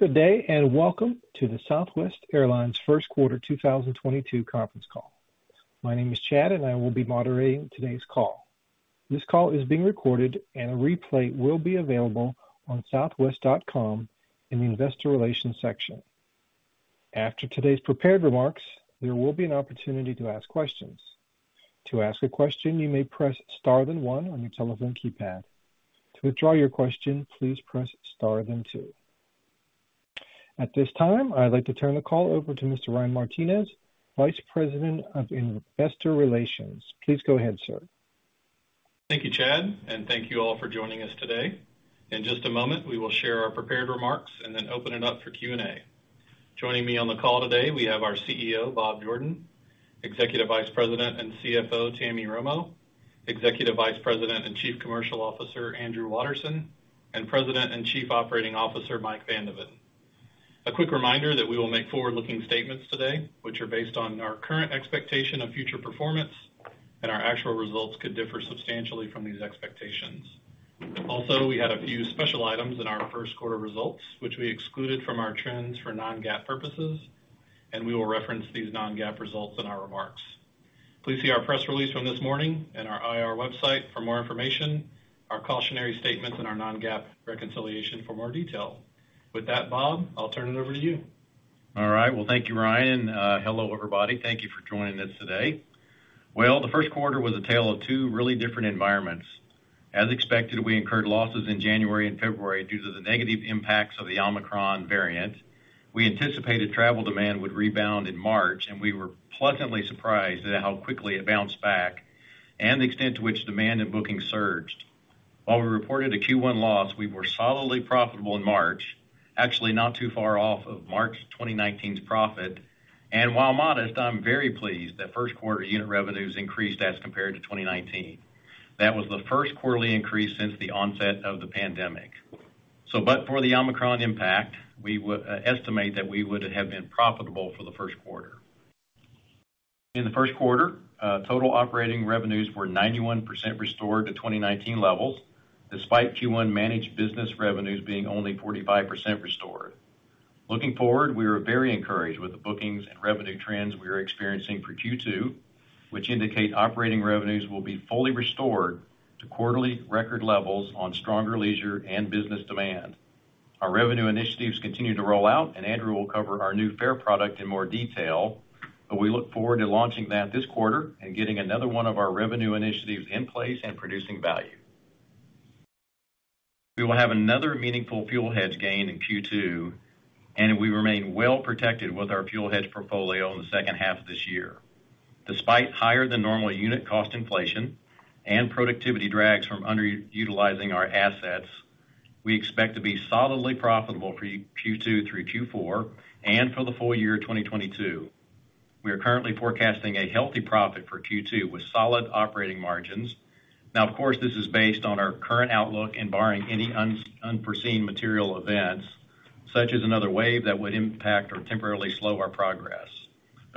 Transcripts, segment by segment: Good day, and welcome to the Southwest Airlines First Quarter 2022 Conference Call. My name is Chad, and I will be moderating today's call. This call is being recorded and a replay will be available on southwest.com in the Investor Relations section. After today's prepared remarks, there will be an opportunity to ask questions. To ask a question, you may press star then one on your telephone keypad. To withdraw your question, please press star then two. At this time, I'd like to turn the call over to Mr. Ryan Martinez, Vice President of Investor Relations. Please go ahead, sir. Thank you, Chad, and thank you all for joining us today. In just a moment, we will share our prepared remarks and then open it up for Q&A. Joining me on the call today, we have our CEO, Bob Jordan, Executive Vice President and CFO, Tammy Romo, Executive Vice President and Chief Commercial Officer, Andrew Watterson, and President and Chief Operating Officer, Mike Van de Ven. A quick reminder that we will make forward-looking statements today, which are based on our current expectation of future performance, and our actual results could differ substantially from these expectations. Also, we had a few special items in our first quarter results, which we excluded from our trends for non-GAAP purposes, and we will reference these non-GAAP results in our remarks. Please see our press release from this morning and our IR website for more information, our cautionary statements and our non-GAAP reconciliation for more detail. With that, Bob, I'll turn it over to you. All right. Well, thank you, Ryan. Hello, everybody. Thank you for joining us today. Well, the first quarter was a tale of two really different environments. As expected, we incurred losses in January and February due to the negative impacts of the Omicron variant. We anticipated travel demand would rebound in March, and we were pleasantly surprised at how quickly it bounced back and the extent to which demand and booking surged. While we reported a Q1 loss, we were solidly profitable in March, actually not too far off of March 2019's profit. And while modest, I'm very pleased that first quarter unit revenues increased as compared to 2019. That was the first quarterly increase since the onset of the pandemic. But for the Omicron impact, we would estimate that we would have been profitable for the first quarter. In the first quarter, total operating revenues were 91% restored to 2019 levels, despite Q1 managed business revenues being only 45% restored. Looking forward, we are very encouraged with the bookings and revenue trends we are experiencing for Q2, which indicate operating revenues will be fully restored to quarterly record levels on stronger leisure and business demand. Our revenue initiatives continue to roll out, and Andrew will cover our new fare product in more detail, but we look forward to launching that this quarter and getting another one of our revenue initiatives in place and producing value. We will have another meaningful fuel hedge gain in Q2, and we remain well-protected with our fuel hedge portfolio in the second half of this year. Despite higher than normal unit cost inflation and productivity drags from under utilizing our assets, we expect to be solidly profitable for Q2 through Q4 and for the full-year 2022. We are currently forecasting a healthy profit for Q2 with solid operating margins. Now, of course, this is based on our current outlook and barring any unforeseen material events, such as another wave that would impact or temporarily slow our progress.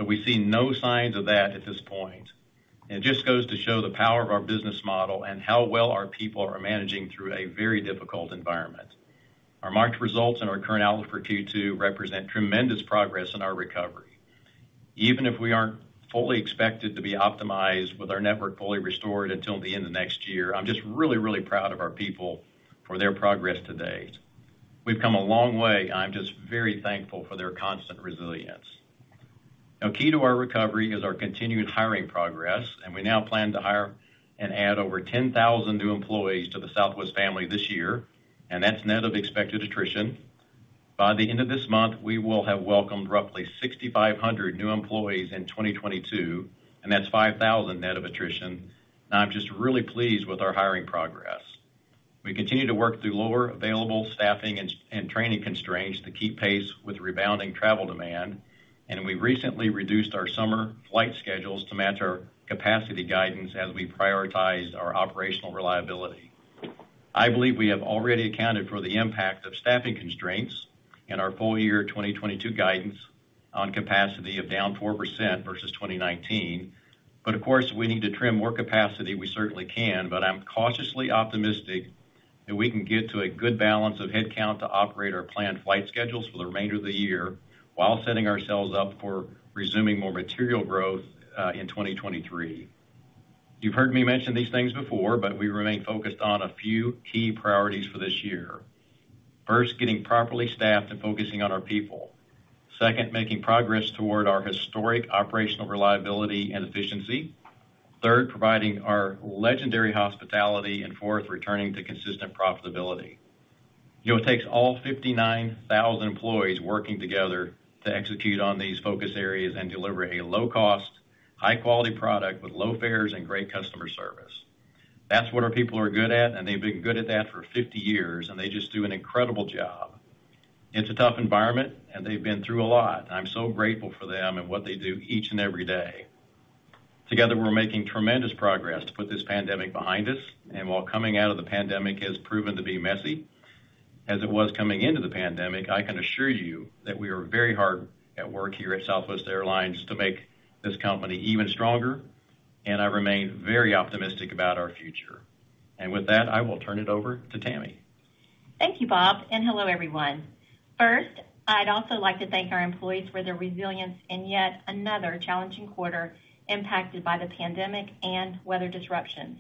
We see no signs of that at this point. It just goes to show the power of our business model and how well our people are managing through a very difficult environment. Our March results and our current outlook for Q2 represent tremendous progress in our recovery. Even if we aren't fully expected to be optimized with our network fully restored until the end of next year, I'm just really, really proud of our people for their progress today. We've come a long way. I'm just very thankful for their constant resilience. Now, key to our recovery is our continued hiring progress, and we now plan to hire and add over 10,000 new employees to the Southwest family this year, and that's net of expected attrition. By the end of this month, we will have welcomed roughly 6,500 new employees in 2022, and that's 5,000 net of attrition. I'm just really pleased with our hiring progress. We continue to work through lower available staffing and training constraints to keep pace with rebounding travel demand. We recently reduced our summer flight schedules to match our capacity guidance as we prioritize our operational reliability. I believe we have already accounted for the impact of staffing constraints in our full-year 2022 guidance on capacity of down 4% versus 2019. Of course, if we need to trim more capacity, we certainly can. I'm cautiously optimistic that we can get to a good balance of headcount to operate our planned flight schedules for the remainder of the year while setting ourselves up for resuming more material growth in 2023. You've heard me mention these things before, but we remain focused on a few key priorities for this year. First, getting properly staffed and focusing on our people. Second, making progress toward our historic operational reliability and efficiency. Third, providing our legendary hospitality and fourth, returning to consistent profitability. You know, it takes all 59,000 employees working together to execute on these focus areas and deliver a low cost, high quality product with low fares and great customer service. That's what our people are good at, and they've been good at that for 50 years, and they just do an incredible job. It's a tough environment, and they've been through a lot. I'm so grateful for them and what they do each and every day. Together, we're making tremendous progress to put this pandemic behind us. While coming out of the pandemic has proven to be messy as it was coming into the pandemic, I can assure you that we are very hard at work here at Southwest Airlines to make this company even stronger. I remain very optimistic about our future. With that, I will turn it over to Tammy. Thank you, Bob, and hello, everyone. First, I'd also like to thank our employees for their resilience in yet another challenging quarter impacted by the pandemic and weather disruptions.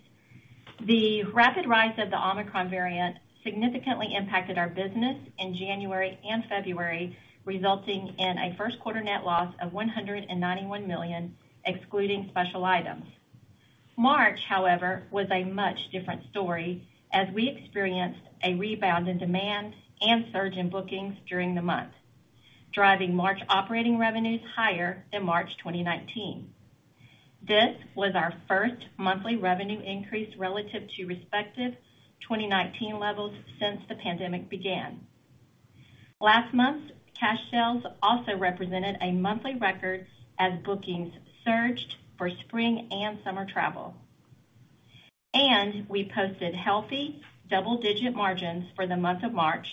The rapid rise of the Omicron variant significantly impacted our business in January and February, resulting in a first quarter net loss of $191 million, excluding special items. March, however, was a much different story as we experienced a rebound in demand and surge in bookings during the month, driving March operating revenues higher than March 2019. This was our first monthly revenue increase relative to respective 2019 levels since the pandemic began. Last month's cash sales also represented a monthly record as bookings surged for spring and summer travel. We posted healthy double-digit margins for the month of March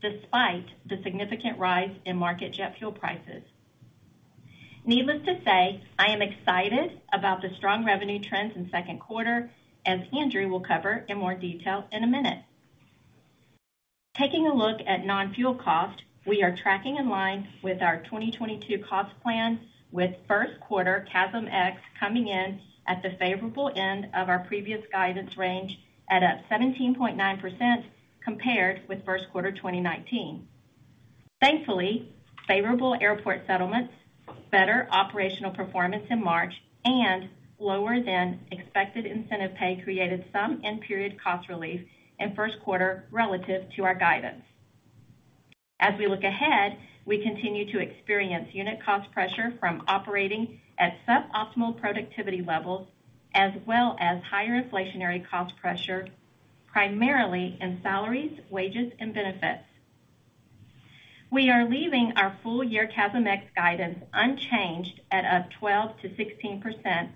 despite the significant rise in market jet fuel prices. Needless to say, I am excited about the strong revenue trends in second quarter, as Andrew will cover in more detail in a minute. Taking a look at non-fuel cost, we are tracking in line with our 2022 cost plan with first quarter CASM-ex coming in at the favorable end of our previous guidance range at up 17.9% compared with first quarter 2019. Thankfully, favorable airport settlements, better operational performance in March, and lower than expected incentive pay created some in-period cost relief in first quarter relative to our guidance. As we look ahead, we continue to experience unit cost pressure from operating at suboptimal productivity levels as well as higher inflationary cost pressure, primarily in salaries, wages, and benefits. We are leaving our full-year CASM-ex guidance unchanged at up 12%-16%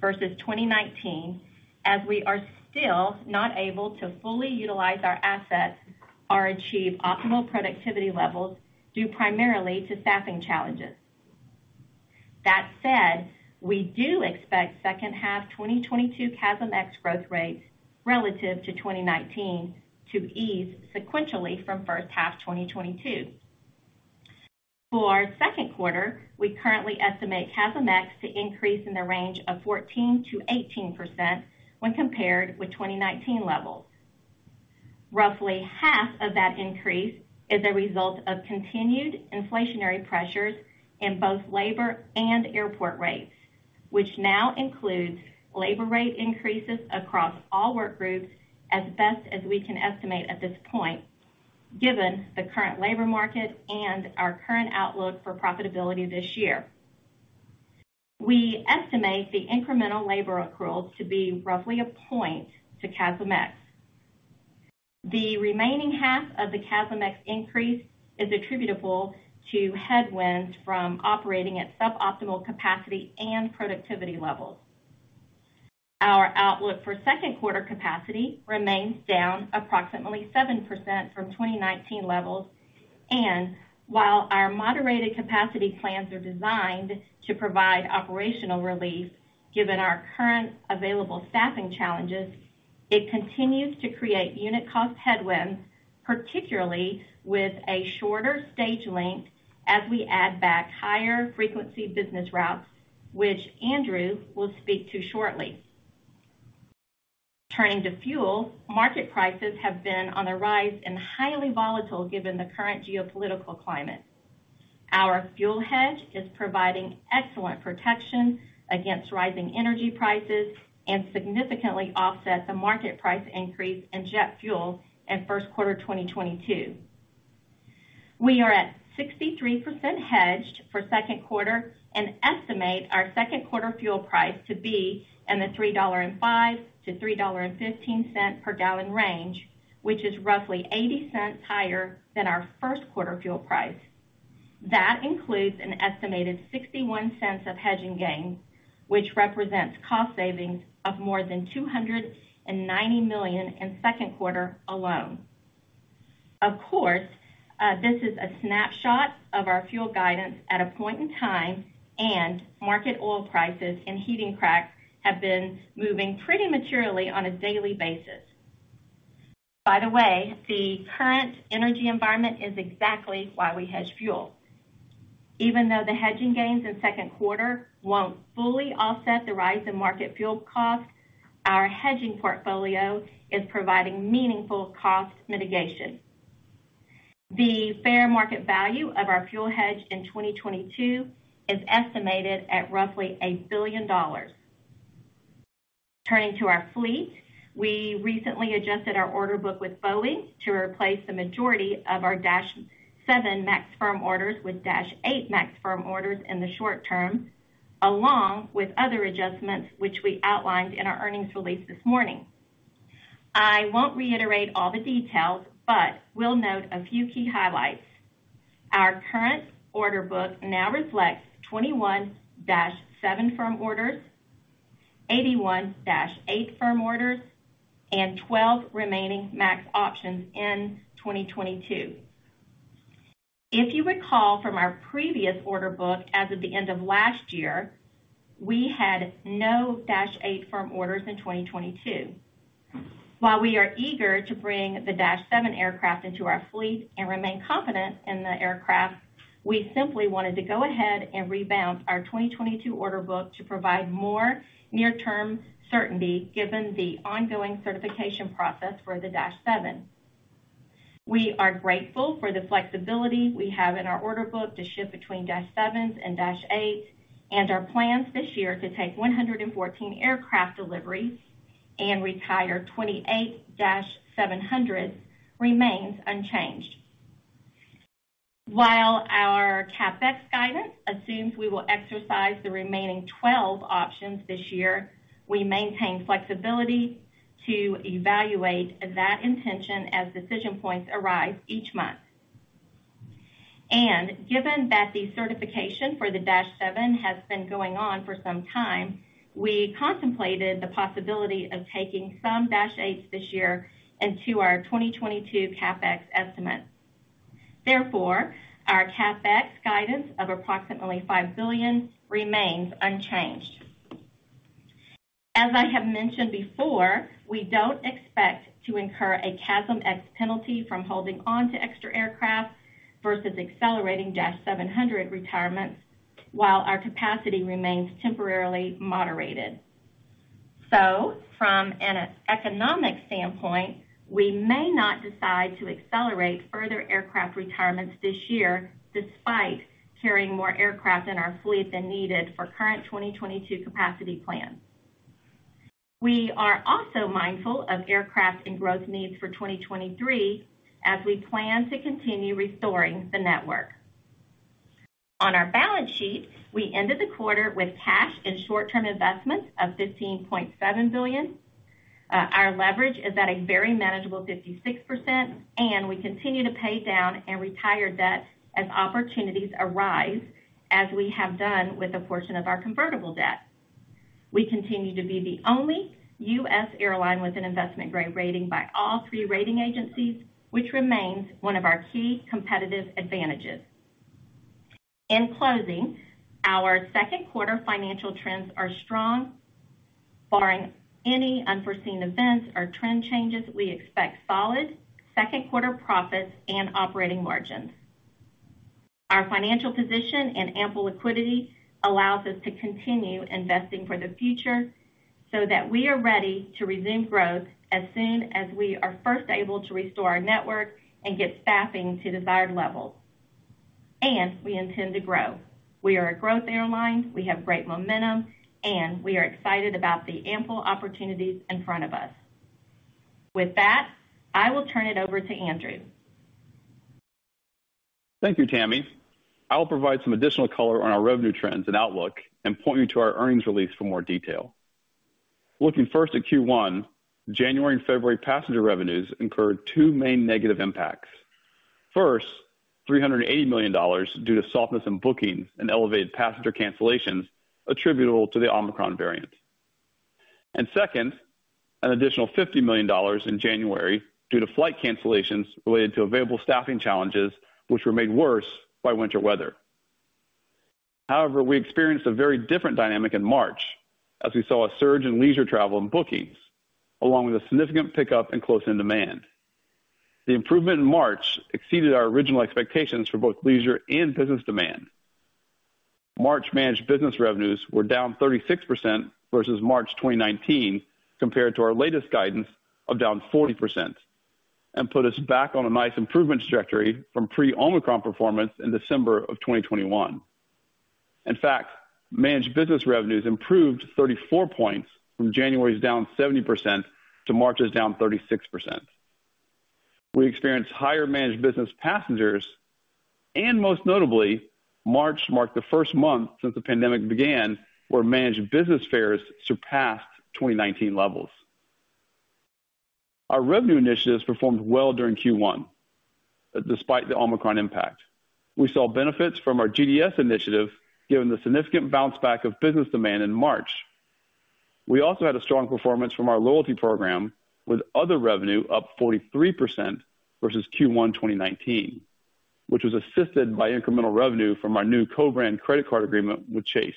versus 2019 as we are still not able to fully utilize our assets or achieve optimal productivity levels due primarily to staffing challenges. That said, we do expect second half 2022 CASM-ex growth rates relative to 2019 to ease sequentially from first half 2022. For our second quarter, we currently estimate CASM-ex to increase in the range of 14%-18% when compared with 2019 levels. Roughly half of that increase is a result of continued inflationary pressures in both labor and airport rates, which now includes labor-rate increases across all work groups as best as we can estimate at this point, given the current labor market and our current outlook for profitability this year. We estimate the incremental labor accruals to be roughly a point to CASM-ex. The remaining half of the CASM-ex increase is attributable to headwinds from operating at suboptimal capacity and productivity levels. Our outlook for second quarter capacity remains down approximately 7% from 2019 levels. While our moderated capacity plans are designed to provide operational relief, given our current available staffing challenges, it continues to create unit cost headwinds, particularly with a shorter stage length as we add back higher frequency business routes, which Andrew will speak to shortly. Turning to fuel, market prices have been on the rise and highly volatile given the current geopolitical climate. Our fuel hedge is providing excellent protection against rising energy prices and significantly offset the market price increase in jet fuel in first quarter 2022. We are at 63% hedged for second quarter and estimate our second quarter fuel price to be in the $3.05-$3.15 per gallon range, which is roughly $0.80 higher than our first quarter fuel price. That includes an estimated $0.61 of hedging gains, which represents cost savings of more than $290 million in second quarter alone. Of course, this is a snapshot of our fuel guidance at a point in time, and market oil prices and heating cracks have been moving pretty materially on a daily basis. By the way, the current energy environment is exactly why we hedge fuel. Even though the hedging gains in second quarter won't fully offset the rise in market fuel costs, our hedging portfolio is providing meaningful cost mitigation. The fair market value of our fuel hedge in 2022 is estimated at roughly $1 billion. Turning to our fleet, we recently adjusted our order book with Boeing to replace the majority of our Dash MAX 7 firm orders with Dash MAX 8 firm orders in the short-term, along with other adjustments which we outlined in our earnings release this morning. I won't reiterate all the details, but will note a few key highlights. Our current order book now reflects 21 Dash MAX 7 firm orders, 81 Dash MAX 8 firm orders, and 12 remaining MAX options in 2022. If you recall from our previous order book as of the end of last year, we had no Dash MAX 8 firm orders in 2022. While we are eager to bring the Dash 7 aircraft into our fleet and remain confident in the aircraft, we simply wanted to go ahead and rebound our 2022 order book to provide more near-term certainty given the ongoing certification process for the Dash 7. We are grateful for the flexibility we have in our order book to shift between Dash 7 and Dash 8, and our plans this year to take 114 aircraft deliveries and retire 28 Dash 700 remains unchanged. While our CapEx guidance assumes we will exercise the remaining 12 options this year, we maintain flexibility to evaluate that intention as decision points arise each month. Given that the certification for the Dash 7 has been going on for some time, we contemplated the possibility of taking some Dash 8 this year into our 2022 CapEx estimate. Therefore, our CapEx guidance of approximately $5 billion remains unchanged. As I have mentioned before, we don't expect to incur a CASM-ex penalty from holding on to extra aircraft versus accelerating Dash 700 retirements while our capacity remains temporarily moderated. From an economic standpoint, we may not decide to accelerate further aircraft retirements this year despite carrying more aircraft in our fleet than needed for current 2022 capacity plans. We are also mindful of aircraft and growth needs for 2023 as we plan to continue restoring the network. On our balance sheet, we ended the quarter with cash and short-term investments of $15.7 billion. Our leverage is at a very manageable 56%, and we continue to pay down and retire debt as opportunities arise, as we have done with a portion of our convertible debt. We continue to be the only U.S. airline with an investment-grade rating by all three rating agencies, which remains one of our key competitive advantages. In closing, our second quarter financial trends are strong. Barring any unforeseen events or trend changes, we expect solid second quarter profits and operating margins. Our financial position and ample liquidity allows us to continue investing for the future so that we are ready to resume growth as soon as we are first able to restore our network and get staffing to desired levels. We intend to grow. We are a growth airline, we have great momentum, and we are excited about the ample opportunities in front of us. With that, I will turn it over to Andrew. Thank you, Tammy. I will provide some additional color on our revenue trends and outlook and point you to our earnings release for more detail. Looking first at Q1, January and February passenger revenues incurred two main negative impacts. First, $380 million due to softness in bookings and elevated passenger cancellations attributable to the Omicron variant. Second, an additional $50 million in January due to flight cancellations related to available staffing challenges, which were made worse by winter weather. However, we experienced a very different dynamic in March as we saw a surge in leisure travel and bookings, along with a significant pickup in close-in demand. The improvement in March exceeded our original expectations for both leisure and business demand. March managed business revenues were down 36% versus March 2019 compared to our latest guidance of down 40% and put us back on a nice improvement trajectory from pre-Omicron performance in December of 2021. In fact, managed business revenues improved 34 points from January's down 70% to March's down 36%. We experienced higher managed business passengers and most notably, March marked the first month since the pandemic began where managed business fares surpassed 2019 levels. Our revenue initiatives performed well during Q1, despite the Omicron impact. We saw benefits from our GDS initiative given the significant bounce back of business demand in March. We also had a strong performance from our loyalty program with other revenue up 43% versus Q1 2019, which was assisted by incremental revenue from our new co-brand credit card agreement with Chase.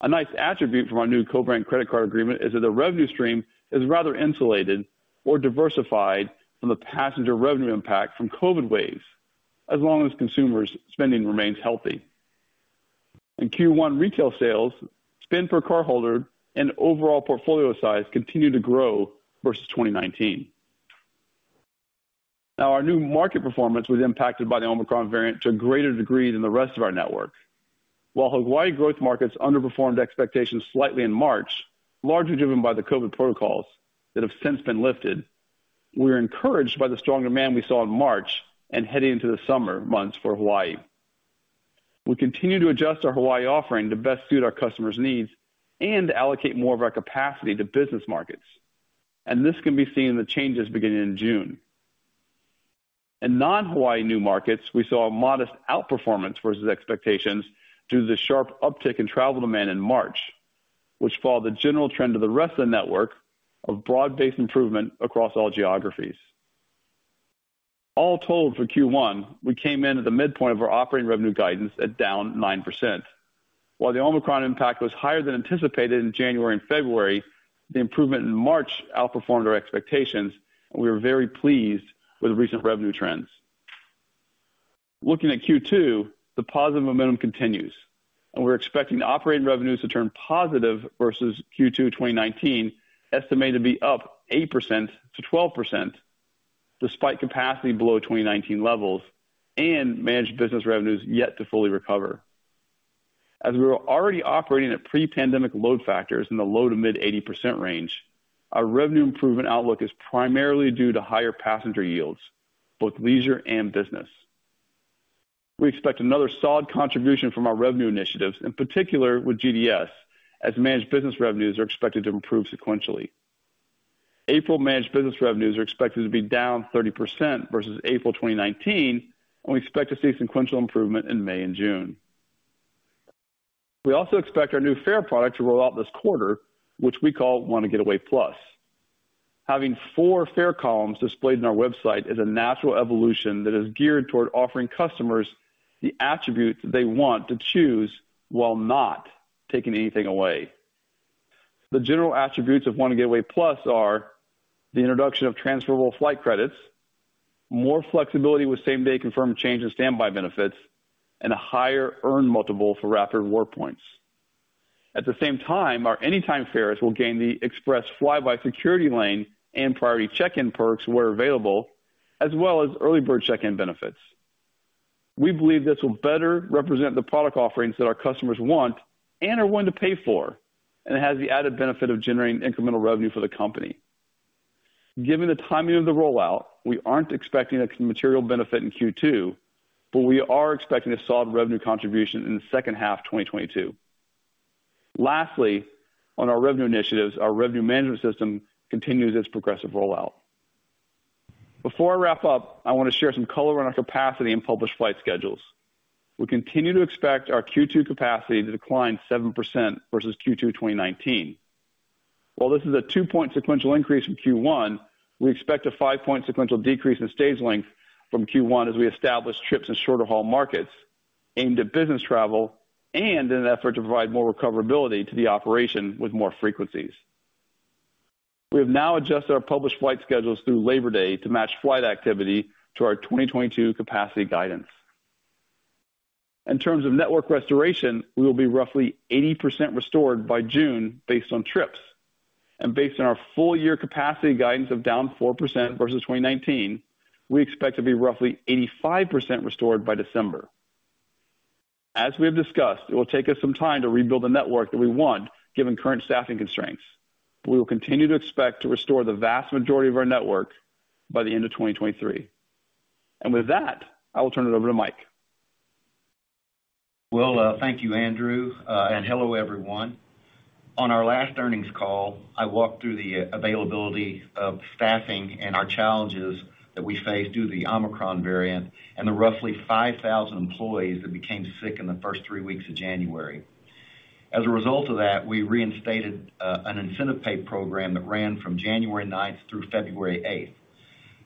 A nice attribute from our new co-brand credit card agreement is that the revenue stream is rather insulated or diversified from the passenger revenue impact from COVID waves as long as consumers' spending remains healthy. In Q1 retail sales, spend per cardholder and overall portfolio size continued to grow versus 2019. Now our new market performance was impacted by the Omicron variant to a greater degree than the rest of our network. While Hawaii growth markets underperformed expectations slightly in March, largely driven by the COVID protocols that have since been lifted, we are encouraged by the strong demand we saw in March and heading into the summer months for Hawaii. We continue to adjust our Hawaii offering to best suit our customers' needs and to allocate more of our capacity to business markets. This can be seen in the changes beginning in June. In non-Hawaii new markets, we saw a modest outperformance versus expectations due to the sharp uptick in travel demand in March, which follow the general trend of the rest of the network of broad-based improvement across all geographies. All told for Q1, we came in at the mid-point of our operating revenue guidance at down 9%. While the Omicron impact was higher than anticipated in January and February, the improvement in March outperformed our expectations, and we are very pleased with the recent revenue trends. Looking at Q2, the positive momentum continues, and we're expecting operating revenues to turn positive versus Q2 2019, estimated to be up 8%-12%, despite capacity below 2019 levels and managed business revenues yet to fully recover. As we were already operating at pre-pandemic load factors in the low- to mid-80% range, our revenue improvement outlook is primarily due to higher passenger yields, both leisure and business. We expect another solid contribution from our revenue initiatives, in particular with GDS, as managed business revenues are expected to improve sequentially. April managed business revenues are expected to be down 30% versus April 2019, and we expect to see sequential improvement in May and June. We also expect our new fare product to roll out this quarter, which we call Wanna Get Away Plus. Having four fare columns displayed on our website is a natural evolution that is geared toward offering customers the attributes they want to choose while not taking anything away. The general attributes of Wanna Get Away Plus are the introduction of transferable flight credits, more flexibility with same-day confirmed change in standby benefits, and a higher earn multiple for Rapid Rewards points. At the same time, our Anytime Fares will gain the Fly By security lane and priority check-in perks where available, as well as EarlyBird Check-In benefits. We believe this will better represent the product offerings that our customers want and are willing to pay for, and it has the added benefit of generating incremental revenue for the company. Given the timing of the rollout, we aren't expecting a material benefit in Q2, but we are expecting a solid revenue contribution in the second half 2022. Lastly, on our revenue initiatives, our revenue management system continues its progressive rollout. Before I wrap up, I wanna share some color on our capacity and published flight schedules. We continue to expect our Q2 capacity to decline 7% versus Q2 2019. While this is a 2-point sequential increase from Q1, we expect a 5-point sequential decrease in stage length from Q1 as we establish trips in shorter-haul markets aimed at business travel and in an effort to provide more recoverability to the operation with more frequencies. We have now adjusted our published flight schedules through Labor Day to match flight activity to our 2022 capacity guidance. In terms of network restoration, we will be roughly 80% restored by June based on trips. Based on our full-year capacity guidance of down 4% versus 2019, we expect to be roughly 85% restored by December. As we have discussed, it will take us some time to rebuild the network that we want, given current staffing constraints. We will continue to expect to restore the vast majority of our network by the end of 2023. With that, I will turn it over to Mike. Well, thank you, Andrew, and hello, everyone. On our last earnings call, I walked through the availability of staffing and our challenges that we faced due to the Omicron variant and the roughly 5,000 employees that became sick in the first three weeks of January. As a result of that, we reinstated an incentive pay program that ran from January 9 through February 8.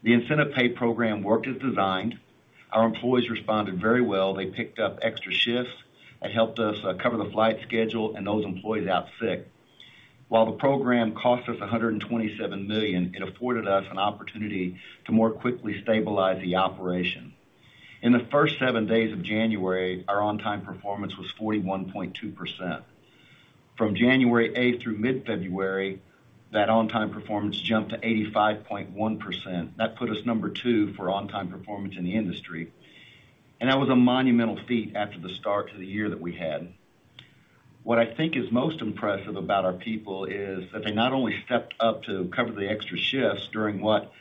The incentive pay program worked as designed. Our employees responded very well. They picked up extra shifts that helped us cover the flight schedule and those employees out sick. While the program cost us $127 million, it afforded us an opportunity to more quickly stabilize the operation. In the first seven days of January, our on-time performance was 41.2%. From January 8 through mid-February, that on-time performance jumped to 85.1%. That put us number two for on-time performance in the industry. That was a monumental feat after the start to the year that we had. What I think is most impressive about our people is that they not only stepped up to cover the extra shifts during what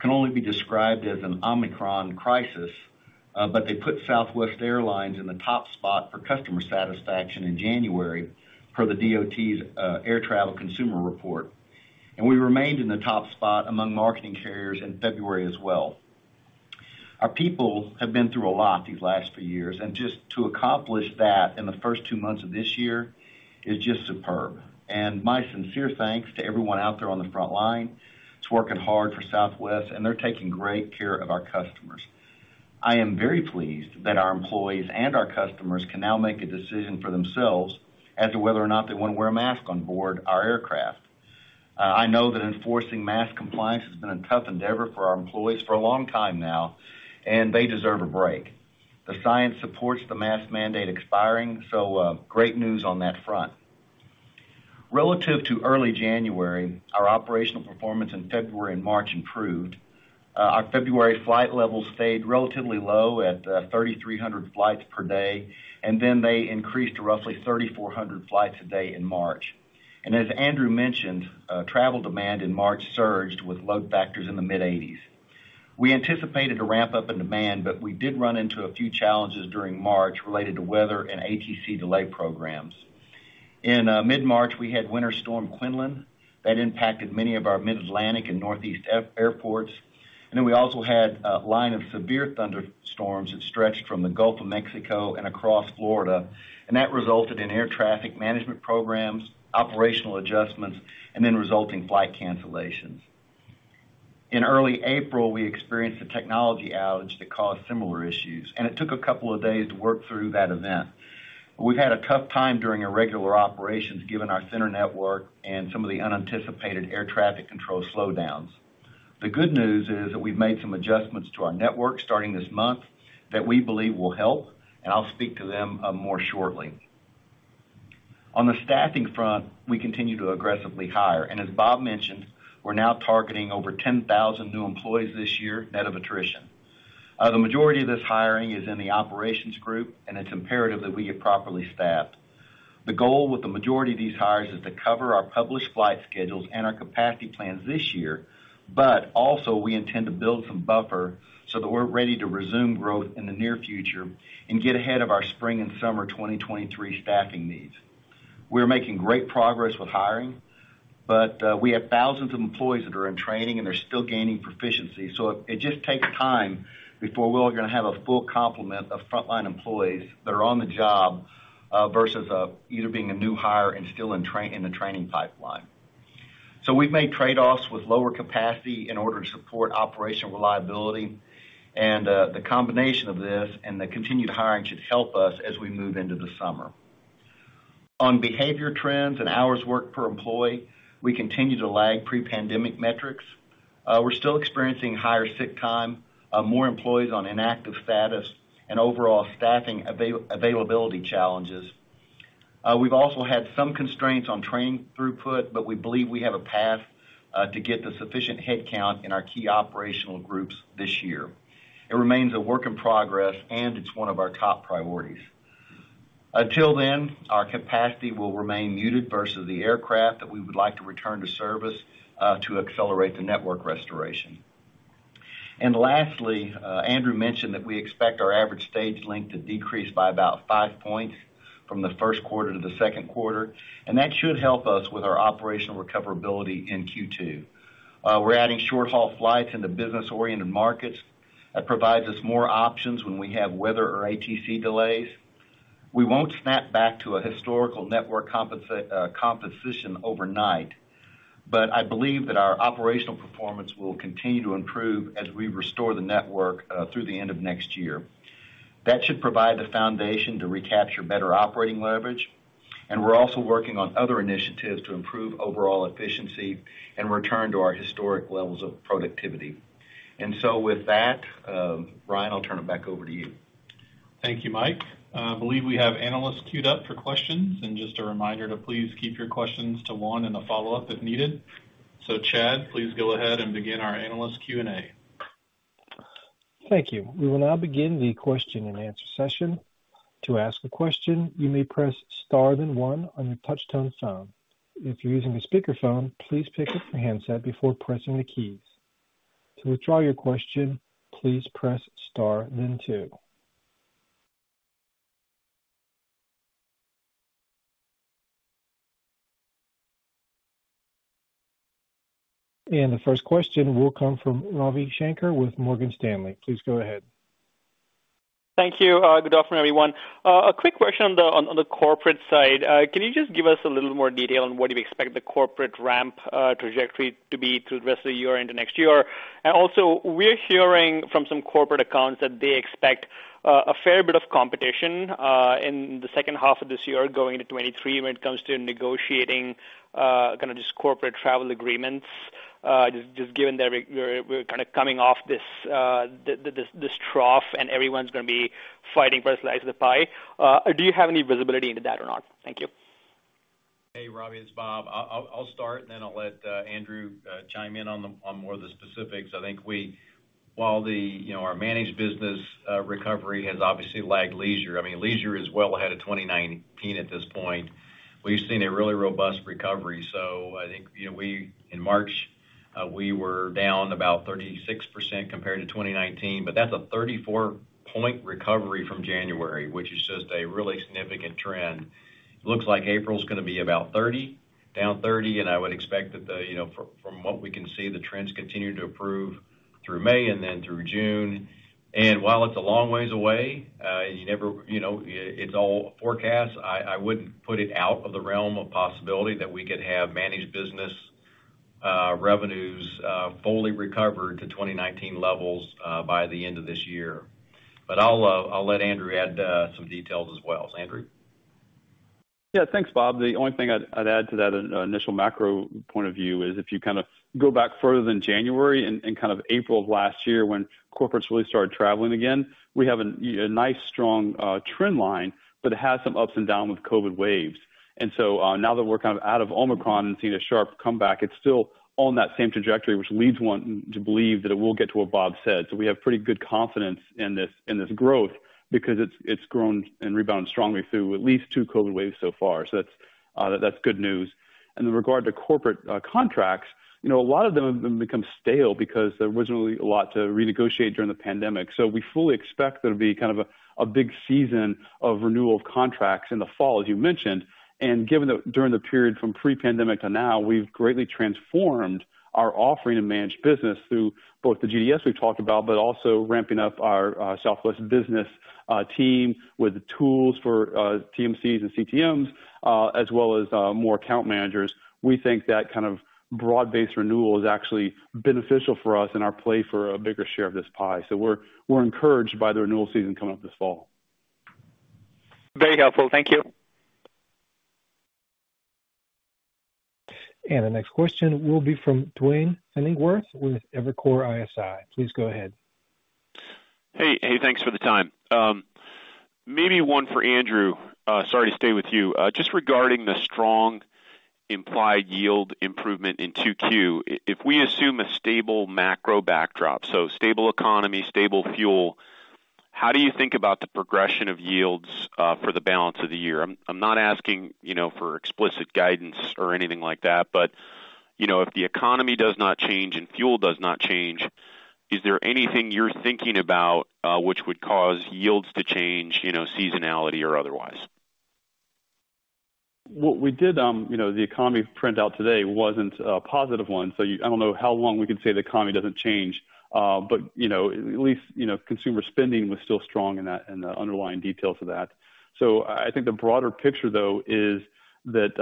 can only be described as an Omicron crisis, but they put Southwest Airlines in the top spot for customer satisfaction in January per the DOT's Air Travel Consumer Report. We remained in the top spot among marketing carriers in February as well. Our people have been through a lot these last few years, and just to accomplish that in the first two months of this year is just superb. My sincere thanks to everyone out there on the front line that's working hard for Southwest, and they're taking great care of our customers. I am very pleased that our employees and our customers can now make a decision for themselves as to whether or not they wanna wear a mask on board our aircraft. I know that enforcing mask compliance has been a tough endeavor for our employees for a long time now, and they deserve a break. The science supports the mask mandate expiring, so great news on that front. Relative to early January, our operational performance in February and March improved. Our February flight levels stayed relatively low at 3,300 flights per day, and then they increased to roughly 3,400 flights a day in March. As Andrew mentioned, travel demand in March surged with load factors in the mid-80s%. We anticipated a ramp-up in demand, but we did run into a few challenges during March related to weather and ATC delay programs. In mid-March, we had Winter Storm Quinlan that impacted many of our Mid-Atlantic and Northeast airports. We also had a line of severe thunderstorms that stretched from the Gulf of Mexico and across Florida, and that resulted in air traffic management programs, operational adjustments, and resulting flight cancellations. In early April, we experienced a technology outage that caused similar issues, and it took a couple of days to work through that event. We've had a tough time during irregular operations, given our center network and some of the unanticipated air traffic control slowdowns. The good news is that we've made some adjustments to our network starting this month that we believe will help, and I'll speak to them more shortly. On the staffing front, we continue to aggressively hire, and as Bob mentioned, we're now targeting over 10,000 new employees this year net of attrition. The majority of this hiring is in the operations group, and it's imperative that we get properly staffed. The goal with the majority of these hires is to cover our published flight schedules and our capacity plans this year, but also we intend to build some buffer so that we're ready to resume growth in the near future and get ahead of our spring and summer 2023 staffing needs. We're making great progress with hiring, but we have thousands of employees that are in training and they're still gaining proficiency, so it just takes time before we're gonna have a full complement of frontline employees that are on the job versus either being a new hire and still in the training pipeline. We've made trade-offs with lower capacity in order to support operational reliability. The combination of this and the continued hiring should help us as we move into the summer. On behavior trends and hours worked per employee, we continue to lag pre-pandemic metrics. We're still experiencing higher sick time, more employees on inactive status and overall staffing availability challenges. We've also had some constraints on training throughput, but we believe we have a path to get the sufficient headcount in our key operational groups this year. It remains a work in progress, and it's one of our top priorities. Until then, our capacity will remain muted versus the aircraft that we would like to return to service to accelerate the network restoration. Lastly, Andrew mentioned that we expect our average stage length to decrease by about 5 points from the first quarter to the second quarter, and that should help us with our operational recoverability in Q2. We're adding short-haul flights in the business-oriented markets. That provides us more options when we have weather or ATC delays. We won't snap back to a historical network composition overnight, but I believe that our operational performance will continue to improve as we restore the network through the end of next year. That should provide the foundation to recapture better operating leverage, and we're also working on other initiatives to improve overall efficiency and return to our historic levels of productivity. With that, Ryan, I'll turn it back over to you. Thank you, Mike. I believe we have analysts queued up for questions. Just a reminder to please keep your questions to one and a follow-up if needed. Chad, please go ahead and begin our analyst Q&A. Thank you. We will now begin the question-and-answer session. To ask a question, you may press star then one on your touch-tone phone. If you're using a speakerphone, please pick up the handset before pressing the keys. To withdraw your question, please press star then two. The first question will come from Ravi Shanker with Morgan Stanley. Please go ahead. Thank you. Good afternoon, everyone. A quick question on the corporate side. Can you just give us a little more detail on what you expect the corporate ramp trajectory to be through the rest of the year into next year? Also, we're hearing from some corporate accounts that they expect a fair bit of competition in the second half of this year going into 2023 when it comes to negotiating kind of just corporate travel agreements, just given that we're kind of coming off this this trough and everyone's gonna be fighting for a slice of the pie. Do you have any visibility into that or not? Thank you. Hey, Ravi, it's Bob. I'll start, and then I'll let Andrew chime in on more of the specifics. I think while the, you know, our managed business recovery has obviously lagged leisure. I mean, leisure is well ahead of 2019 at this point. We've seen a really robust recovery. I think, you know, in March we were down about 36% compared to 2019, but that's a 34-point recovery from January, which is just a really significant trend. Looks like April's gonna be about 30, down 30%, and I would expect that the, you know, from what we can see, the trends continue to improve through May and then through June. While it's a long ways away, you never, you know, it's all forecasts. I wouldn't put it out of the realm of possibility that we could have managed business revenues fully recovered to 2019 levels by the end of this year. I'll let Andrew add some details as well. Andrew? Yeah. Thanks, Bob. The only thing I'd add to that initial macro point of view is if you kind of go back further than January and kind of April of last year when corporates really started traveling again, we have a nice, strong trend-line, but it has some ups and downs with COVID waves. Now that we're kind of out of Omicron and seeing a sharp comeback, it's still on that same trajectory, which leads one to believe that it will get to what Bob said. We have pretty good confidence in this growth because it's grown and rebounded strongly through at least two COVID waves so far. That's good news. In regard to corporate contracts, you know, a lot of them have become stale because there wasn't really a lot to renegotiate during the pandemic. We fully expect there to be kind of a big season of renewal of contracts in the fall, as you mentioned. Given that during the period from pre-pandemic to now, we've greatly transformed our offering of managed business through both the GDS we talked about, but also ramping up our Southwest Business team with tools for TMCs and CTMs, as well as more account managers. We think that kind of broad-based renewal is actually beneficial for us in our play for a bigger share of this pie. We're encouraged by the renewal season coming up this fall. Very helpful. Thank you. The next question will be from Duane Pfennigwerth with Evercore ISI. Please go ahead. Hey. Hey, thanks for the time. Maybe one for Andrew. Sorry to stay with you. Just regarding the strong implied yield improvement in 2Q, if we assume a stable macro backdrop, so stable economy, stable fuel, how do you think about the progression of yields for the balance of the year? I'm not asking, you know, for explicit guidance or anything like that, but, you know, if the economy does not change and fuel does not change, is there anything you're thinking about which would cause yields to change, you know, seasonality or otherwise? What we did, you know, the economic printout today wasn't a positive one, so I don't know how long we can say the economy doesn't change. You know, at least, you know, consumer spending was still strong in that, in the underlying details of that. I think the broader picture though is that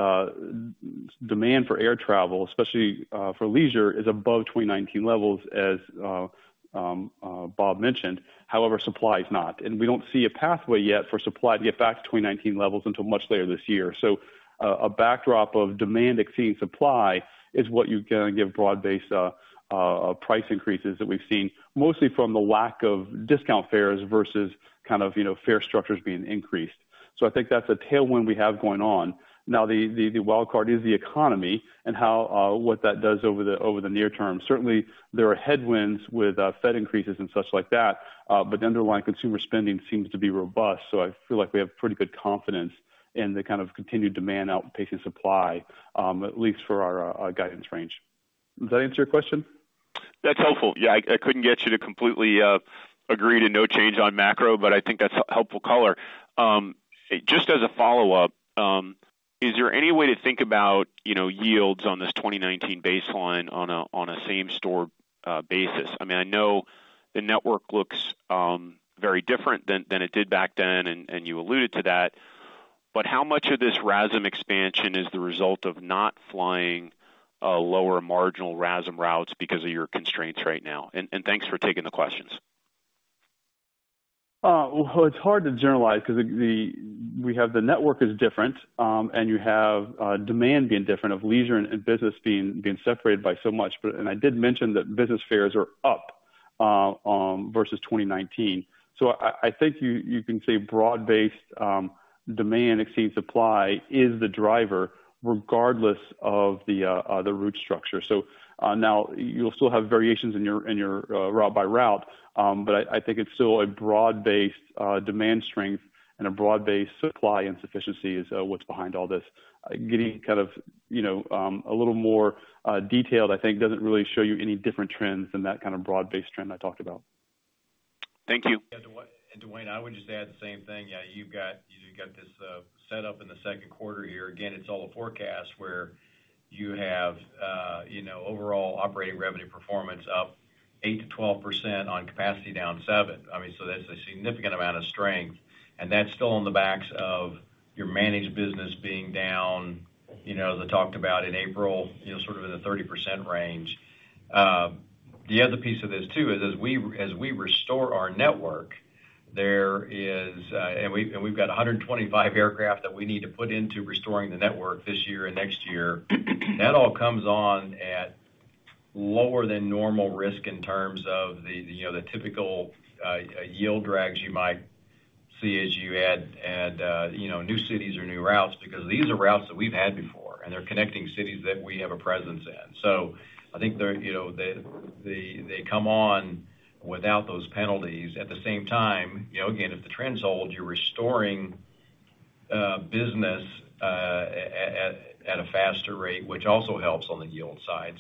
demand for air travel, especially for leisure, is above 2019 levels, as Bob mentioned. However, supply is not. We don't see a pathway yet for supply to get back to 2019 levels until much later this year. A backdrop of demand exceeding supply is what you can give broad-based price increases that we've seen, mostly from the lack of discount fares versus kind of, you know, fare structures being increased. I think that's a tailwind we have going on. Now, the wild card is the economy and how what that does over the near term. Certainly, there are headwinds with Fed increases and such like that, but the underlying consumer spending seems to be robust, so I feel like we have pretty good confidence in the kind of continued demand outpacing supply, at least for our guidance range. Does that answer your question? That's helpful. Yeah, I couldn't get you to completely agree to no change on macro, but I think that's helpful color. Just as a follow-up, is there any way to think about, you know, yields on this 2019 baseline on a same-store basis? I mean, I know the network looks very different than it did back then, and you alluded to that. But how much of this RASM expansion is the result of not flying lower marginal RASM routes because of your constraints right now? And thanks for taking the questions. Well, it's hard to generalize 'cause we have the network is different, and you have demand being different of leisure and business being separated by so much. I did mention that business fares are up versus 2019. I think you can say broad-based demand exceeds supply is the driver regardless of the route structure. Now you'll still have variations in your route by route, but I think it's still a broad-based demand strength and a broad-based supply insufficiency is what's behind all this. Getting kind of, you know, a little more detailed, I think, doesn't really show you any different trends than that kind of broad-based trend I talked about. Thank you. Yeah, Duane, I would just add the same thing. You've got this set up in the second quarter here. Again, it's all a forecast where you have, you know, overall operating revenue performance up 8%-12% on capacity down 7%. I mean, that's a significant amount of strength, and that's still on the backs of your managed business being down, you know, the talked about in April, you know, sort of in the 30% range. The other piece of this too is as we restore our network, there is, and we've got 125 aircraft that we need to put into restoring the network this year and next year. That all comes on at lower than normal risk in terms of the, you know, the typical, yield drags you might see as you add, you know, new cities or new routes, because these are routes that we've had before, and they're connecting cities that we have a presence in. I think they're, you know, they come on without those penalties. At the same time, you know, again, if the trends hold, you're restoring business at a faster rate, which also helps on the yield side.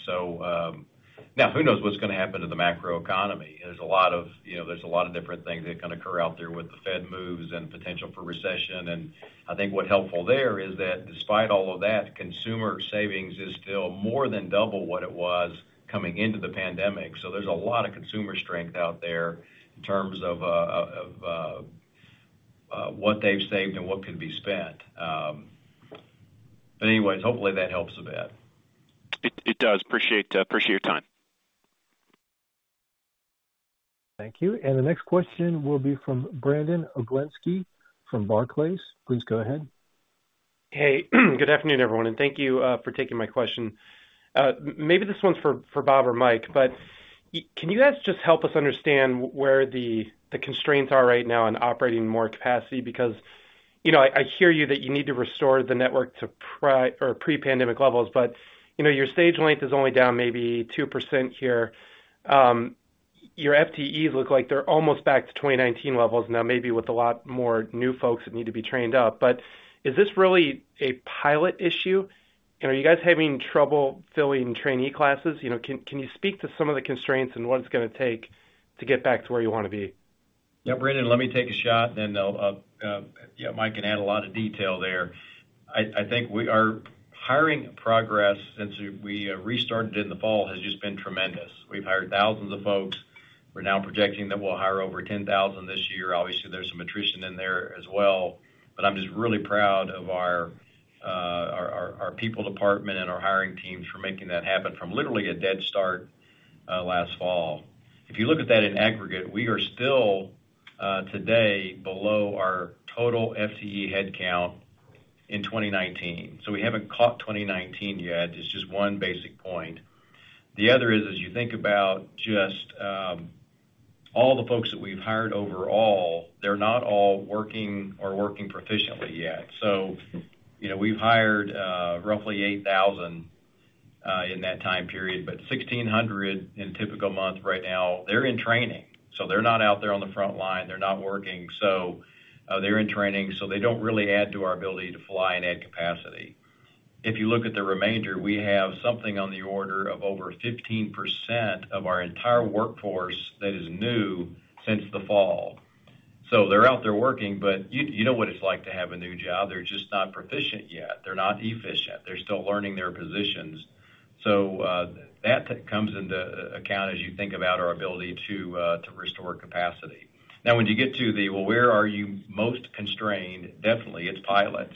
Now who knows what's gonna happen to the macro economy? There's a lot of, you know, there's a lot of different things that can occur out there with the Fed moves and potential for recession. I think what's helpful there is that despite all of that, consumer savings is still more than double what it was coming into the pandemic. There's a lot of consumer strength out there in terms of what they've saved and what could be spent. Anyways, hopefully that helps a bit. It does. Appreciate your time. Thank you. The next question will be from Brandon Oglenski from Barclays. Please go ahead. Hey, good afternoon, everyone, and thank you for taking my question. Maybe this one's for Bob or Mike, but can you guys just help us understand where the constraints are right now on operating more capacity? Because, you know, I hear you that you need to restore the network to pre-pandemic levels, but, you know, your stage length is only down maybe 2% here. Your FTEs look like they're almost back to 2019 levels now, maybe with a lot more new folks that need to be trained up. Is this really a pilot issue? Are you guys having trouble filling trainee classes? You know, can you speak to some of the constraints and what it's gonna take to get back to where you wanna be? Yeah, Brandon, let me take a shot, then I'll, yeah, Mike can add a lot of detail there. I think we are hiring progress since we restarted in the fall has just been tremendous. We've hired thousands of folks. We're now projecting that we'll hire over 10,000 this year. Obviously, there's some attrition in there as well, but I'm just really proud of our people department and our hiring teams for making that happen from literally a dead start last fall. If you look at that in aggregate, we are still, today below our total FTE headcount in 2019. So we haven't caught 2019 yet. It's just one basic point. The other is, as you think about just all the folks that we've hired overall, they're not all working or working proficiently yet. You know, we've hired roughly 8,000 in that time period, but 1,600 in a typical month right now, they're in training, so they're not out there on the front line. They're not working. They're in training, so they don't really add to our ability to fly and add capacity. If you look at the remainder, we have something on the order of over 15% of our entire workforce that is new since the fall. They're out there working, but you know what it's like to have a new job. They're just not proficient yet. They're not efficient. They're still learning their positions. That comes into account as you think about our ability to restore capacity. Now, when you get to where are you most constrained? Definitely it's pilots,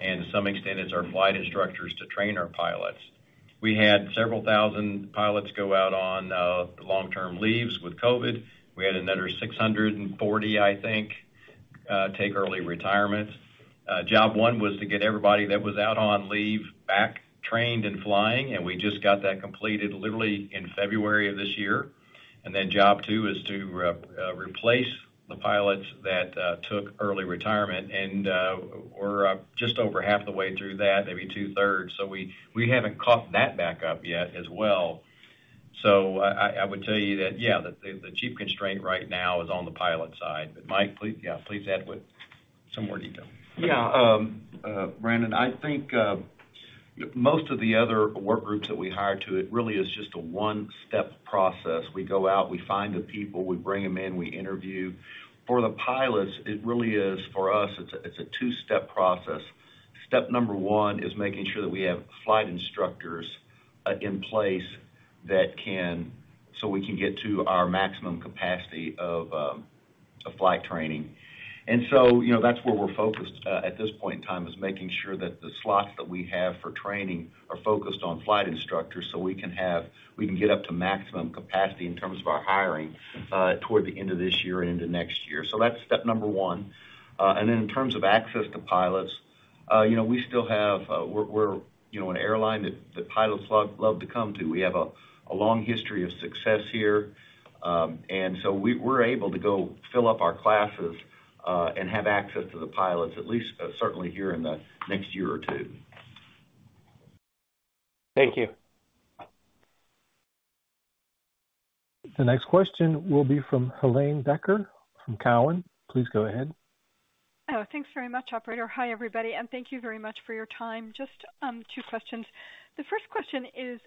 and to some extent it's our flight instructors to train our pilots. We had several thousand pilots go out on long-term leaves with COVID. We had another 640, I think, take early retirement. Job one was to get everybody that was out on leave back trained and flying, and we just got that completed literally in February of this year. Then job two is to replace the pilots that took early retirement. We're just over half the way through that, maybe two-thirds. We haven't caught that back up yet as well. I would tell you that the chief constraint right now is on the pilot side. Mike, please add with some more detail. Brandon, I think most of the other work groups that we hire to, it really is just a one-step process. We go out, we find the people, we bring them in, we interview. For the pilots, it really is for us, it's a two-step process. Step number one is making sure that we have flight instructors in place so we can get to our maximum capacity of flight training. That's where we're focused at this point in time, is making sure that the slots that we have for training are focused on flight instructors, we can get up to maximum capacity in terms of our hiring toward the end of this year and into next year. That's step number one. In terms of access to pilots, you know, we still have, we're you know, an airline that pilots love to come to. We have a long history of success here. We're able to go fill up our classes, and have access to the pilots at least, certainly here in the next year or two. Thank you. The next question will be from Helane Becker from Cowen. Please go ahead. Oh, thanks very much, operator. Hi, everybody, and thank you very much for your time. Just two questions. The first question is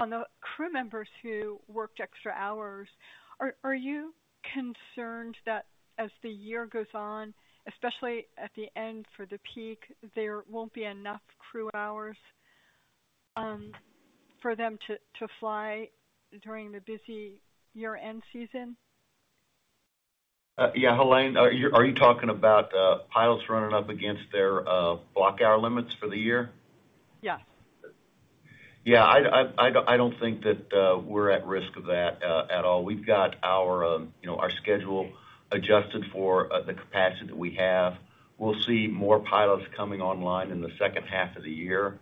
on the crew members who worked extra hours, are you concerned that as the year goes on, especially at the end for the peak, there won't be enough crew hours for them to fly during the busy year-end season? Yeah, Helane, are you talking about pilots running up against their block hour limits for the year? Yes. Yeah, I don't think that we're at risk of that at all. We've got our, you know, our schedule adjusted for the capacity that we have. We'll see more pilots coming online in the second half of the year.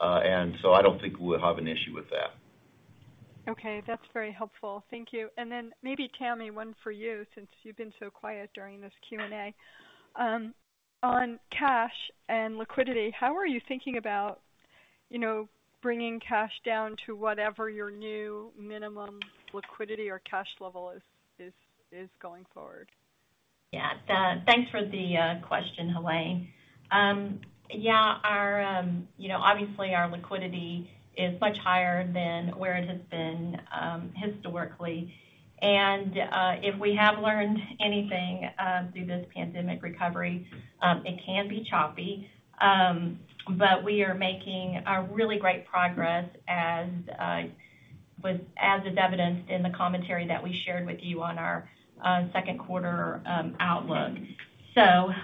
I don't think we'll have an issue with that. Okay, that's very helpful. Thank you. Maybe Tammy, one for you, since you've been so quiet during this Q&A. On cash and liquidity, how are you thinking about, you know, bringing cash down to whatever your new minimum liquidity or cash level is going forward? Yeah, thanks for the question, Helane. Yeah, our you know, obviously our liquidity is much higher than where it has been historically. If we have learned anything through this pandemic recovery, it can be choppy. We are making really great progress as is evidenced in the commentary that we shared with you on our second quarter outlook.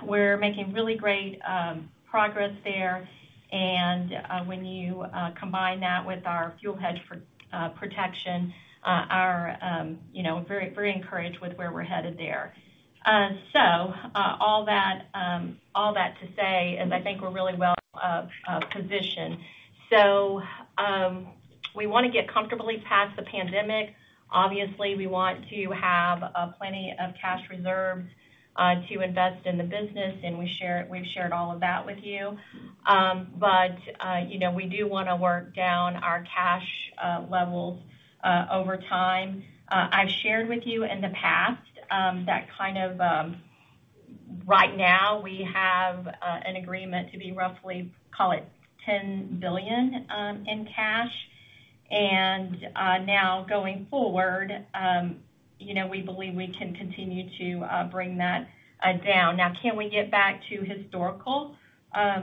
We're making really great progress there. When you combine that with our fuel hedge for protection, we're you know very very encouraged with where we're headed there. All that to say is I think we're really well positioned. We wanna get comfortably past the pandemic. Obviously, we want to have plenty of cash reserves to invest in the business, and we've shared all of that with you. But you know, we do wanna work down our cash levels over time. I've shared with you in the past, right now we have an agreement to be roughly, call it $10 billion in cash. Now going forward, you know, we believe we can continue to bring that down. Now, can we get back to historical?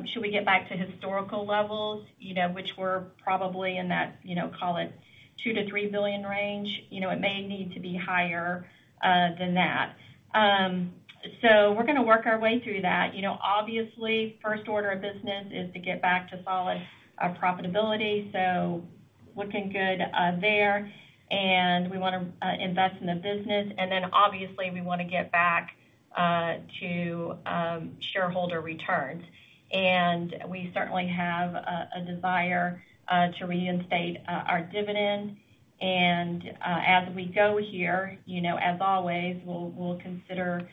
Should we get back to historical levels, you know, which we're probably in that, you know, call it $2-$3 billion range. You know, it may need to be higher than that. We're gonna work our way through that. You know, obviously, first order of business is to get back to solid profitability. Looking good, there. We wanna invest in the business, and then obviously we wanna get back to shareholder returns. We certainly have a desire to reinstate our dividend. As we go here, you know, as always, we'll consider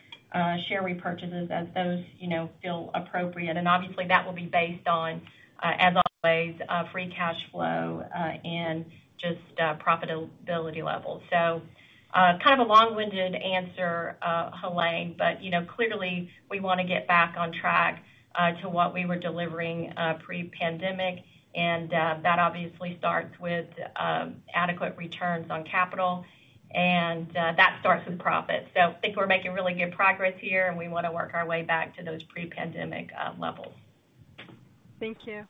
share repurchases as those, you know, feel appropriate. Obviously that will be based on, as always, free cash flow and just profitability levels. Kind of a long-winded answer, Helane, but, you know, clearly we wanna get back on track to what we were delivering pre-pandemic, and that obviously starts with adequate returns on capital and that starts with profit. I think we're making really good progress here, and we wanna work our way back to those pre-pandemic levels. Thank you.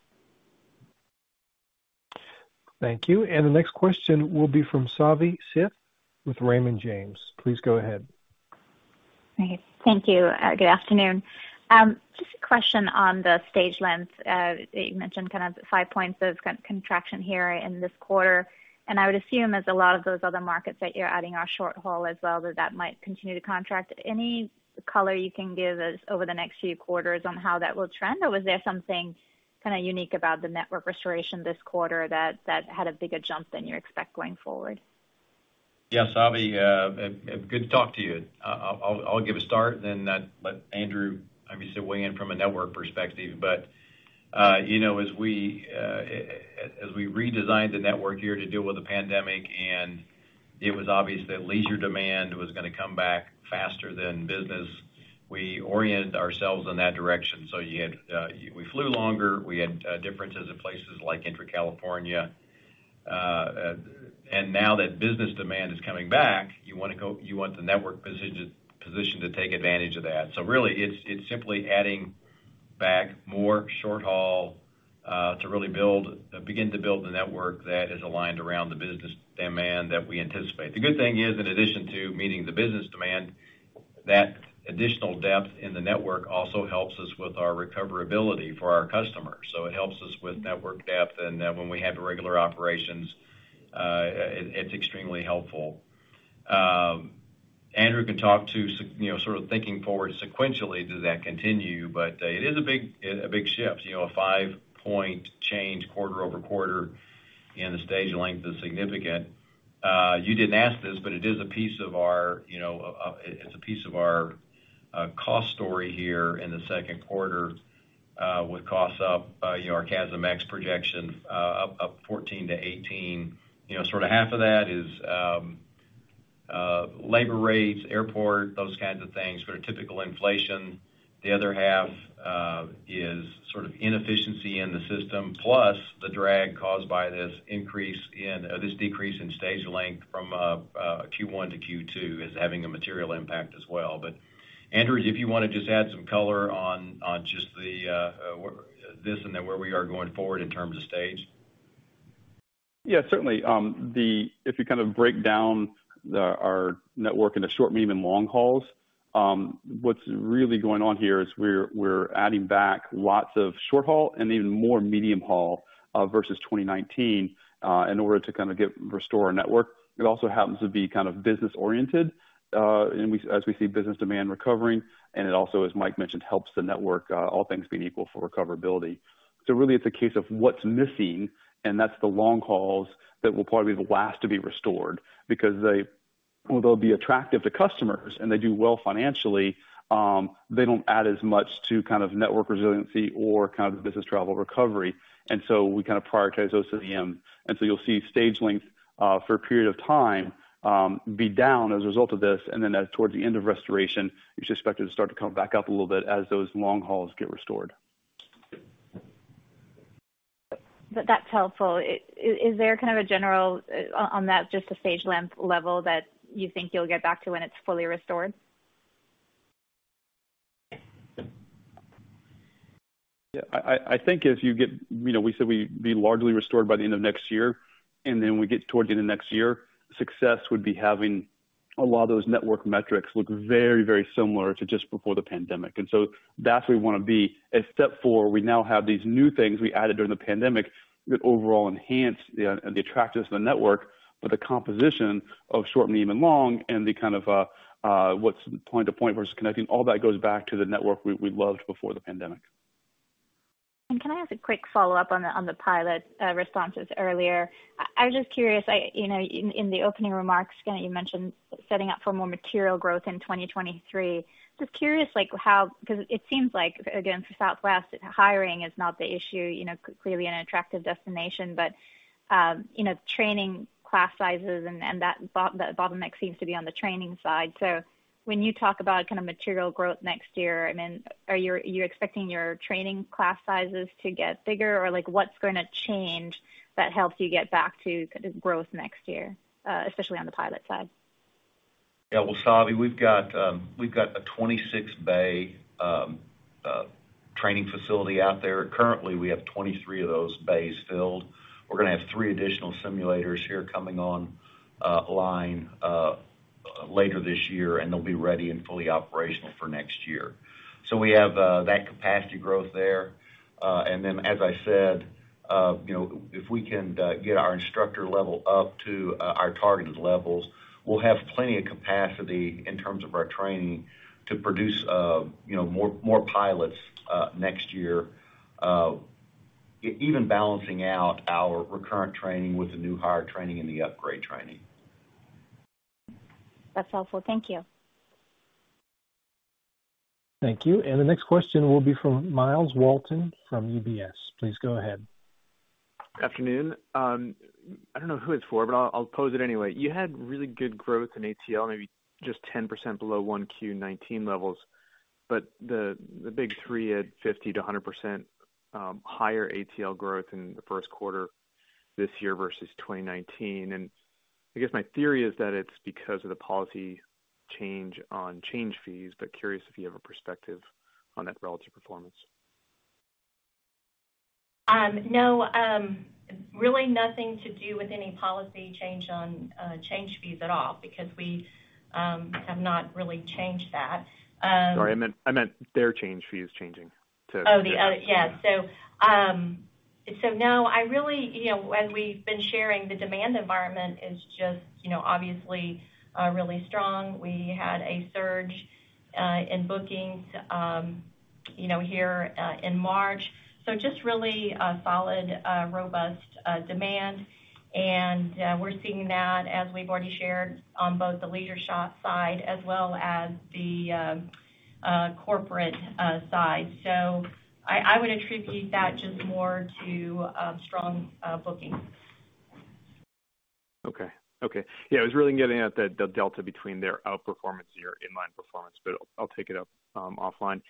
Thank you. The next question will be from Savi Syth with Raymond James. Please go ahead. Great. Thank you. Good afternoon. Just a question on the stage lengths. You mentioned kind of five points of contraction here in this quarter. I would assume as a lot of those other markets that you're adding are short haul as well, that might continue to contract. Any color you can give us over the next few quarters on how that will trend? Or was there something kind of unique about the network restoration this quarter that had a bigger jump than you expect going forward? Yeah, Savi, good to talk to you. I'll give a start, then let Andrew obviously weigh in from a network perspective. You know, as we redesigned the network here to deal with the pandemic, and it was obvious that leisure demand was gonna come back faster than business, we oriented ourselves in that direction. You had we flew longer, we had differences in places like intra-California. Now that business demand is coming back, you want the network positioned to take advantage of that. Really, it's simply adding back more short-haul to really begin to build the network that is aligned around the business demand that we anticipate. The good thing is, in addition to meeting the business demand, that additional depth in the network also helps us with our recoverability for our customers. It helps us with network depth and, when we have irregular operations, it's extremely helpful. Andrew can talk to you know, sort of thinking forward sequentially, does that continue? It is a big shift. You know, a 5-point change quarter-over-quarter in the stage length is significant. You didn't ask this, but it is a piece of our, you know, it's a piece of our cost story here in the second quarter, with costs up, you know, our CASM-ex projection up 14%-18%. You know, sort of half of that is labor rates, airport, those kinds of things, sort of typical inflation. The other half is sort of inefficiency in the system, plus the drag caused by this decrease in stage length from Q1 to Q2 is having a material impact as well. Andrew, if you wanna just add some color on this and then where we are going forward in terms of stage. Yeah, certainly. If you kind of break down our network into short, medium, and long-hauls, what's really going on here is we're adding back lots of short-haul and even more medium-haul versus 2019 in order to kind of restore our network. It also happens to be kind of business-oriented, and as we see business demand recovering, and it also, as Mike mentioned, helps the network all things being equal, for recoverability. Really it's a case of what's missing, and that's the long-hauls that will probably be the last to be restored because they, while they'll be attractive to customers and they do well financially, they don't add as much to kind of network resiliency or kind of business travel recovery. We kind of prioritize those to the end. You'll see stage length for a period of time be down as a result of this, and then towards the end of restoration, you should expect it to start to come back up a little bit as those long-hauls get restored. That's helpful. Is there kind of a general, on that, just a stage length level that you think you'll get back to when it's fully restored? Yeah. I think if you get you know, we said we'd be largely restored by the end of next year, and then we get towards the end of next year, success would be having a lot of those network metrics look very, very similar to just before the pandemic. That's where we wanna be, except for we now have these new things we added during the pandemic that overall enhance the attractiveness of the network, but the composition of short, medium, and long and the kind of what's point to point versus connecting, all that goes back to the network we loved before the pandemic. Can I ask a quick follow-up on the pilot responses earlier? I was just curious, you know, in the opening remarks, again, you mentioned setting up for more material growth in 2023. Just curious, like, 'cause it seems like, again, for Southwest, hiring is not the issue, you know, clearly an attractive destination. But you know, training class sizes and that bottleneck seems to be on the training side. So when you talk about kind of material growth next year, I mean, are you expecting your training class sizes to get bigger? Or, like, what's gonna change that helps you get back to kind of growth next year, especially on the pilot side? Yeah. Well, Savi, we've got a 26-bay training facility out there. Currently, we have 23 of those bays filled. We're gonna have three additional simulators here coming on line later this year, and they'll be ready and fully operational for next year. We have that capacity growth there. As I said, you know, if we can get our instructor level up to our targeted levels, we'll have plenty of capacity in terms of our training to produce, you know, more pilots next year. Even balancing out our recurrent training with the new hire training and the upgrade training. That's helpful. Thank you. Thank you. The next question will be from Myles Walton from UBS. Please go ahead. Good Afternoon. I don't know who it's for, but I'll pose it anyway. You had really good growth in ATL, maybe just 10% below 1Q 2019 levels, but the big three had 50%-100% higher ATL growth in the first quarter this year versus 2019. I guess my theory is that it's because of the policy change on change fees, but curious if you have a perspective on that relative performance. No, really nothing to do with any policy change on change fees at all because we have not really changed that. Sorry, I meant their change fees changing to No, I really, you know, as we've been sharing, the demand environment is just, you know, obviously really strong. We had a surge in bookings, you know, here in March. Just really a solid robust demand. We're seeing that as we've already shared on both the leisure side as well as the corporate side. I would attribute that just more to strong bookings. Okay. Yeah, I was really getting at the delta between their outperformance and your inline performance, but I'll take it up offline.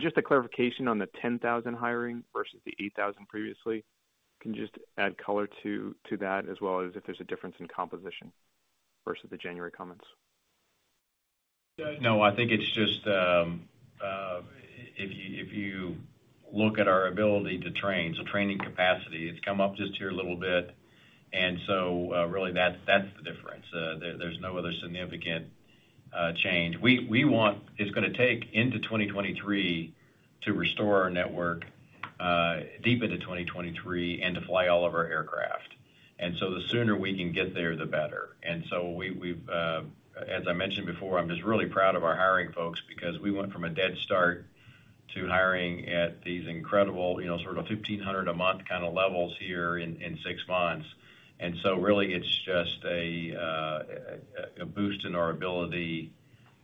Just a clarification on the 10,000 hiring versus the 8,000 previously. Can you just add color to that as well as if there's a difference in composition versus the January comments? No, I think it's just if you look at our ability to train, so training capacity, it's come up just a little bit here. Really that's the difference. There's no other significant change. It's gonna take into 2023 to restore our network, deep into 2023 and to fly all of our aircraft. The sooner we can get there, the better. We've as I mentioned before, I'm just really proud of our hiring folks because we went from a dead start to hiring at these incredible, you know, sort of 1,500 a month kind of levels here in six months. Really it's just a boost in our ability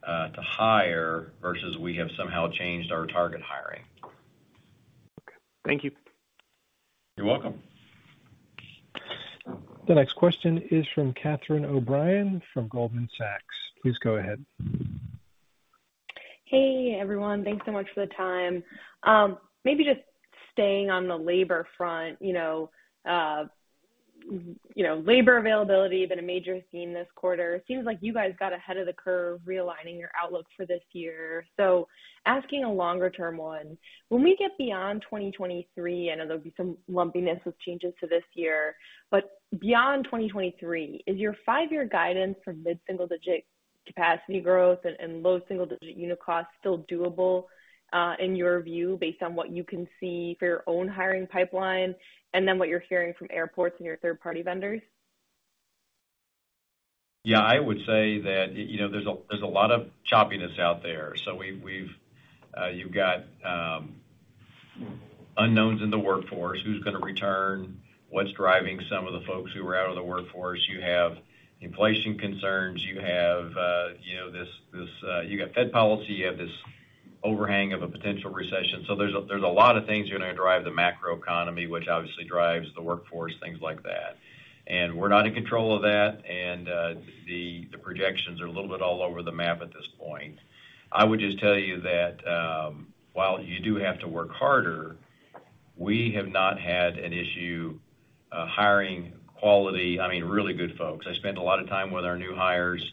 to hire versus we have somehow changed our target hiring. Okay. Thank you. You're welcome. The next question is from Catherine O'Brien from Goldman Sachs. Please go ahead. Hey, everyone. Thanks so much for the time. Maybe just staying on the labor front, you know, labor availability been a major theme this quarter. Seems like you guys got ahead of the curve realigning your outlook for this year. Asking a longer-term one, when we get beyond 2023, I know there'll be some lumpiness with changes to this year, but beyond 2023, is your five-year guidance for mid-single-digit capacity growth and low-single-digit unit costs still doable, in your view based on what you can see for your own hiring pipeline and then what you're hearing from airports and your third-party vendors? Yeah, I would say that, you know, there's a lot of choppiness out there. You've got unknowns in the workforce, who's gonna return, what's driving some of the folks who are out of the workforce. You have inflation concerns. You have, you know, Fed policy. You have this overhang of a potential recession. There's a lot of things that are gonna drive the macroeconomy, which obviously drives the workforce, things like that. We're not in control of that. The projections are a little bit all over the map at this point. I would just tell you that, while you do have to work harder, we have not had an issue hiring quality, I mean, really good folks. I spend a lot of time with our new hires.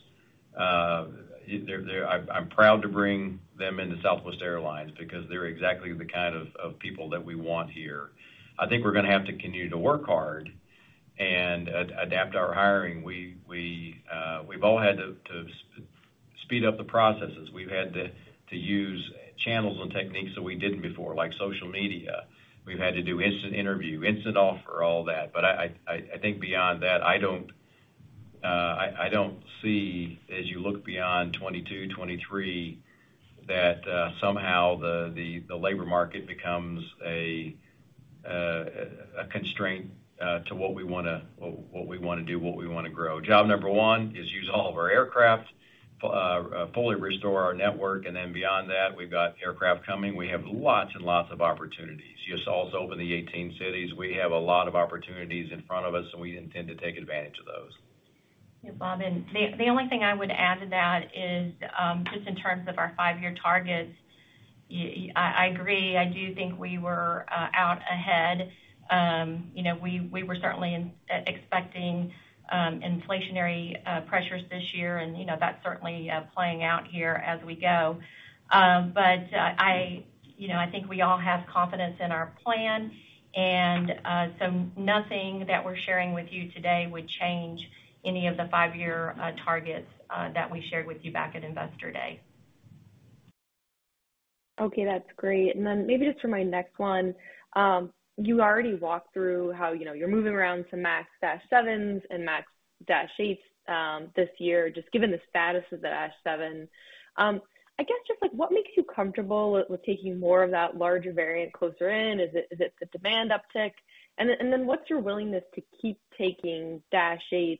I'm proud to bring them into Southwest Airlines because they're exactly the kind of people that we want here. I think we're gonna have to continue to work hard and adapt our hiring. We've all had to speed up the processes. We've had to use channels and techniques that we didn't before, like social media. We've had to do instant interview, instant offer, all that. I think beyond that, I don't see as you look beyond 2022-2023 that somehow the labor market becomes a constraint to what we wanna do, what we wanna grow. Job number one is use all of our aircraft, fully restore our network, and then beyond that, we've got aircraft coming. We have lots and lots of opportunities. Just also open the 18 cities. We have a lot of opportunities in front of us, and we intend to take advantage of those. Yeah, Bob, the only thing I would add to that is just in terms of our five-year targets. I agree. I do think we were out ahead. You know, we were certainly expecting inflationary pressures this year, and you know, that's certainly playing out here as we go. But I think we all have confidence in our plan. Nothing that we're sharing with you today would change any of the five-year targets that we shared with you back at Investor Day. Okay, that's great. Then maybe just for my next one, you already walked through how, you know, you're moving around some MAX Dash 7 and MAX Dash 8, this year, just given the status of the Dash 7, I guess just like what makes you comfortable with taking more of that larger variant closer in? Is it the demand uptick? Then what's your willingness to keep taking Dash 8,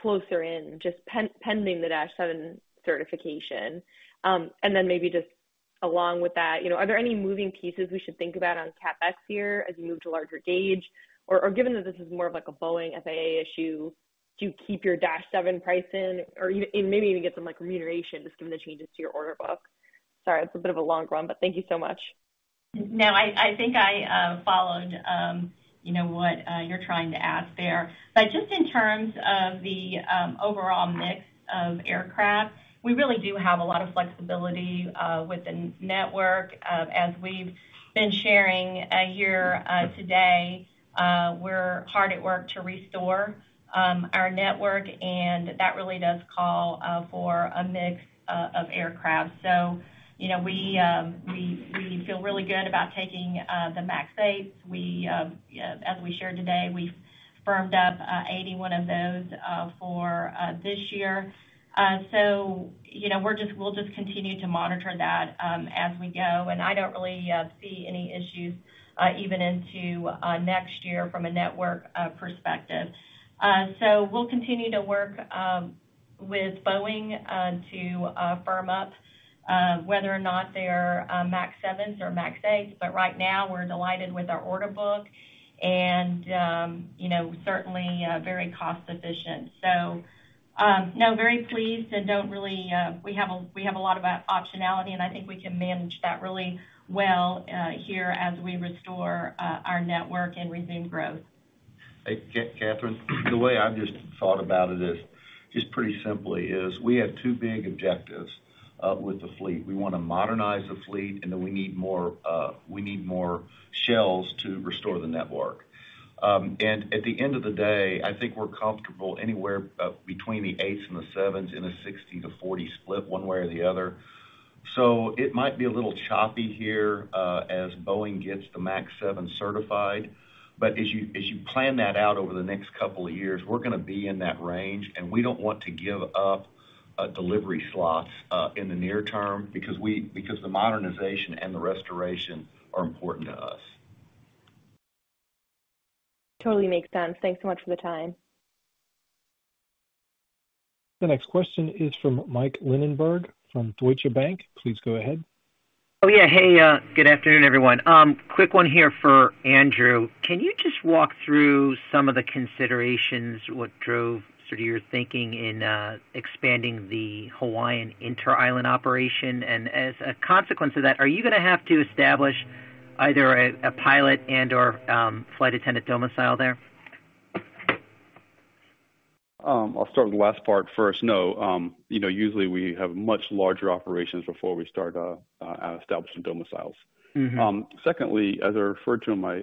closer in just pending the Dash 7 certification? Then maybe just along with that, you know, are there any moving pieces we should think about on CapEx here as you move to larger gauge? Given that this is more of like a Boeing FAA issue to keep your Dash 7 pricing or even, and maybe even get some, like, remuneration just given the changes to your order book. Sorry, it's a bit of a long-run, but thank you so much. No, I think I followed you know what you're trying to ask there, but just in terms of the overall mix of aircraft, we really do have a lot of flexibility with the network. As we've been sharing here today, we're hard at work to restore our network, and that really does call for a mix of aircraft. You know, we feel really good about taking the MAX 8. As we shared today, we firmed up 81 of those for this year. You know, we'll just continue to monitor that as we go. I don't really see any issues even into next year from a network perspective. We'll continue to work with Boeing to firm up whether or not they are MAX 7s or MAX 8s. Right now, we're delighted with our order book and, you know, certainly very cost efficient. No, very pleased and don't really we have a lot of optionality, and I think we can manage that really well here as we restore our network and resume growth. Hey, Catherine. The way I've just thought about it is, just pretty simply, we have two big objectives with the fleet. We want to modernize the fleet, and then we need more shells to restore the network. At the end of the day, I think we're comfortable anywhere between the 8s and the 7s in a 60-40 split one way or the other. It might be a little choppy here as Boeing gets the MAX 7 certified. As you plan that out over the next couple of years, we're going to be in that range, and we don't want to give up delivery slots in the near term because the modernization and the restoration are important to us. Totally makes sense. Thanks so much for the time. The next question is from Mike Linenberg from Deutsche Bank. Please go ahead. Oh, yeah. Hey, good afternoon, everyone. Quick one here for Andrew. Can you just walk through some of the considerations, what drove sort of your thinking in expanding the Hawaiian inter-island operation? As a consequence of that, are you gonna have to establish either a pilot and/or flight attendant domicile there? I'll start with the last part first. No. You know, usually we have much larger operations before we start establishing domiciles. Secondly, as I referred to in my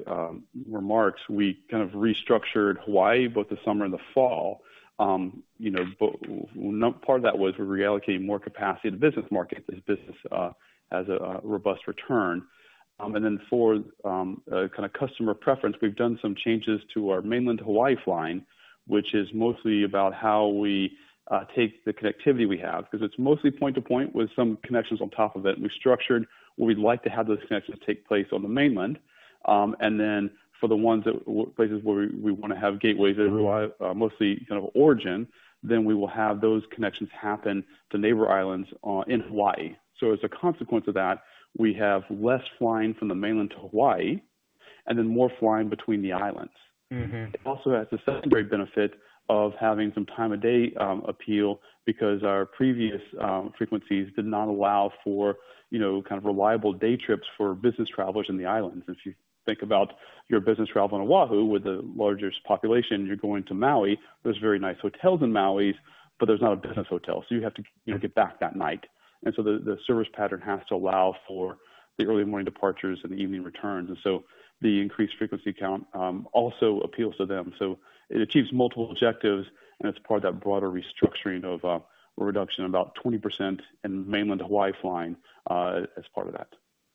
remarks, we kind of restructured Hawaii both the summer and the fall. You know, well, part of that was we're reallocating more capacity to business markets as business has a robust return. Then for a kind of customer preference, we've done some changes to our mainland Hawaii flying, which is mostly about how we take the connectivity we have, 'cause it's mostly point to point with some connections on top of it. We structured where we'd like to have those connections take place on the mainland. Then for the places where we wanna have gateways that are mostly kind of origin, we will have those connections happen to neighbor islands in Hawaii. As a consequence of that, we have less flying from the mainland to Hawaii and then more flying between the islands. It also has the secondary benefit of having some time of day appeal because our previous frequencies did not allow for, you know, kind of reliable day trips for business travelers in the islands. If you think about your business travel on Oahu with the largest population, you're going to Maui. There's very nice hotels in Maui, but there's not a business hotel, so you have to, you know, get back that night. The service pattern has to allow for the early morning departures and the evening returns, and so the increased frequency count also appeals to them. It achieves multiple objectives, and it's part of that broader restructuring of a reduction of about 20% in mainland Hawaii flying as part of that.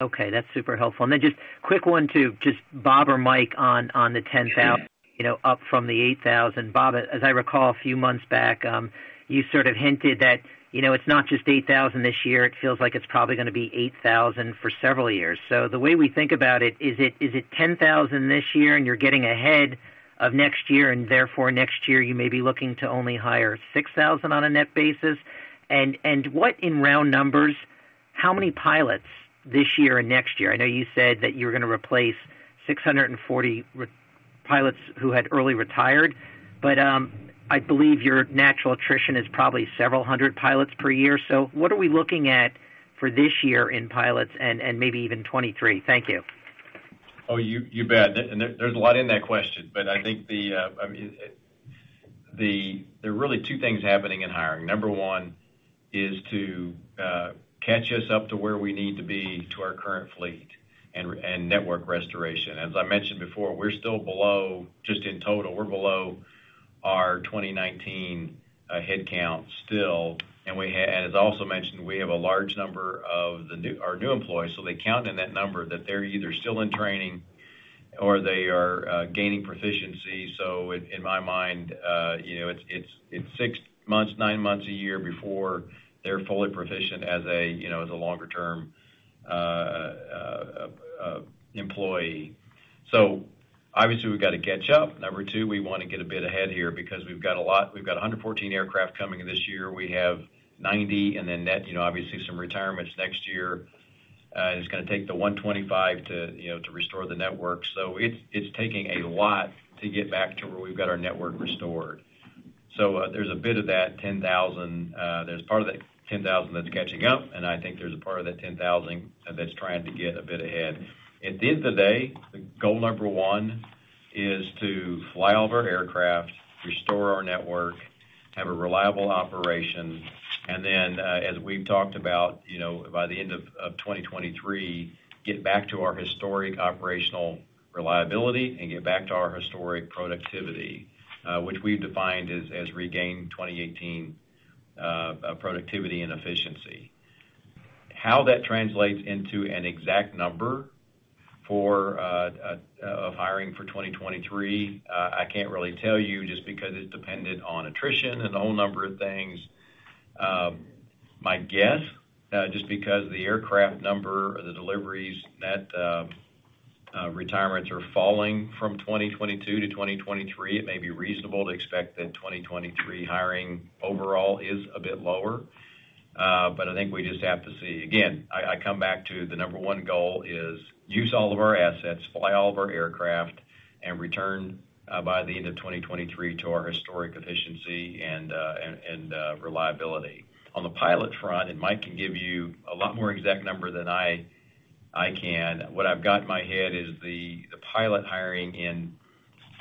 Okay. That's super helpful. Just quick one to just Bob or Mike on the 10,000, you know, up from the 8,000. Bob, as I recall a few months back, you sort of hinted that, you know, it's not just 8,000 this year. It feels like it's probably gonna be 8,000 for several years. The way we think about it is it, is it 10,000 this year and you're getting ahead of next year, and therefore, next year you may be looking to only hire 6,000 on a net basis? What in round numbers, how many pilots this year and next year? I know you said that you were gonna replace 640 retired pilots who had retired early, but I believe your natural attrition is probably several hundred pilots per year. What are we looking at for this year in pilots and maybe even 2023? Thank you. Oh, you bet. There's a lot in that question, but I think, I mean, there are really two things happening in hiring. Number one is to catch us up to where we need to be. To our current fleet and network restoration. As I mentioned before, we're still below, just in total, we're below our 2019 head count still. As I also mentioned, we have a large number of our new employees, so they count in that number that they're either still in training or they are gaining proficiency. In my mind, you know, it's six months, nine months, a year before they're fully proficient as a, you know, as a longer-term employee. Obviously we've got to catch up. Number two, we want to get a bit ahead here because we've got a lot. We've got 114 aircraft coming this year. We have 90 and then net, you know, obviously some retirements next year. It's gonna take the 125 to, you know, to restore the network. It's taking a lot to get back to where we've got our network restored. There's a bit of that 10,000. There's part of that 10,000 that's catching up, and I think there's a part of that 10,000 that's trying to get a bit ahead. At the end of the day, the goal number one is to fly all of our aircraft, restore our network, have a reliable operation, and then, as we've talked about, you know, by the end of 2023, get back to our historic operational reliability and get back to our historic productivity, which we've defined as regained 2018 productivity and efficiency. How that translates into an exact number of hiring for 2023, I can't really tell you just because it's dependent on attrition and a whole number of things. My guess just because the aircraft number or the deliveries net retirements are falling from 2022 to 2023, it may be reasonable to expect that 2023 hiring overall is a bit lower. I think we just have to see. Again, I come back to the number one goal is use all of our assets, fly all of our aircraft, and return by the end of 2023 to our historic efficiency and reliability. On the pilot front, Mike can give you a lot more exact number than I can. What I've got in my head is the pilot hiring in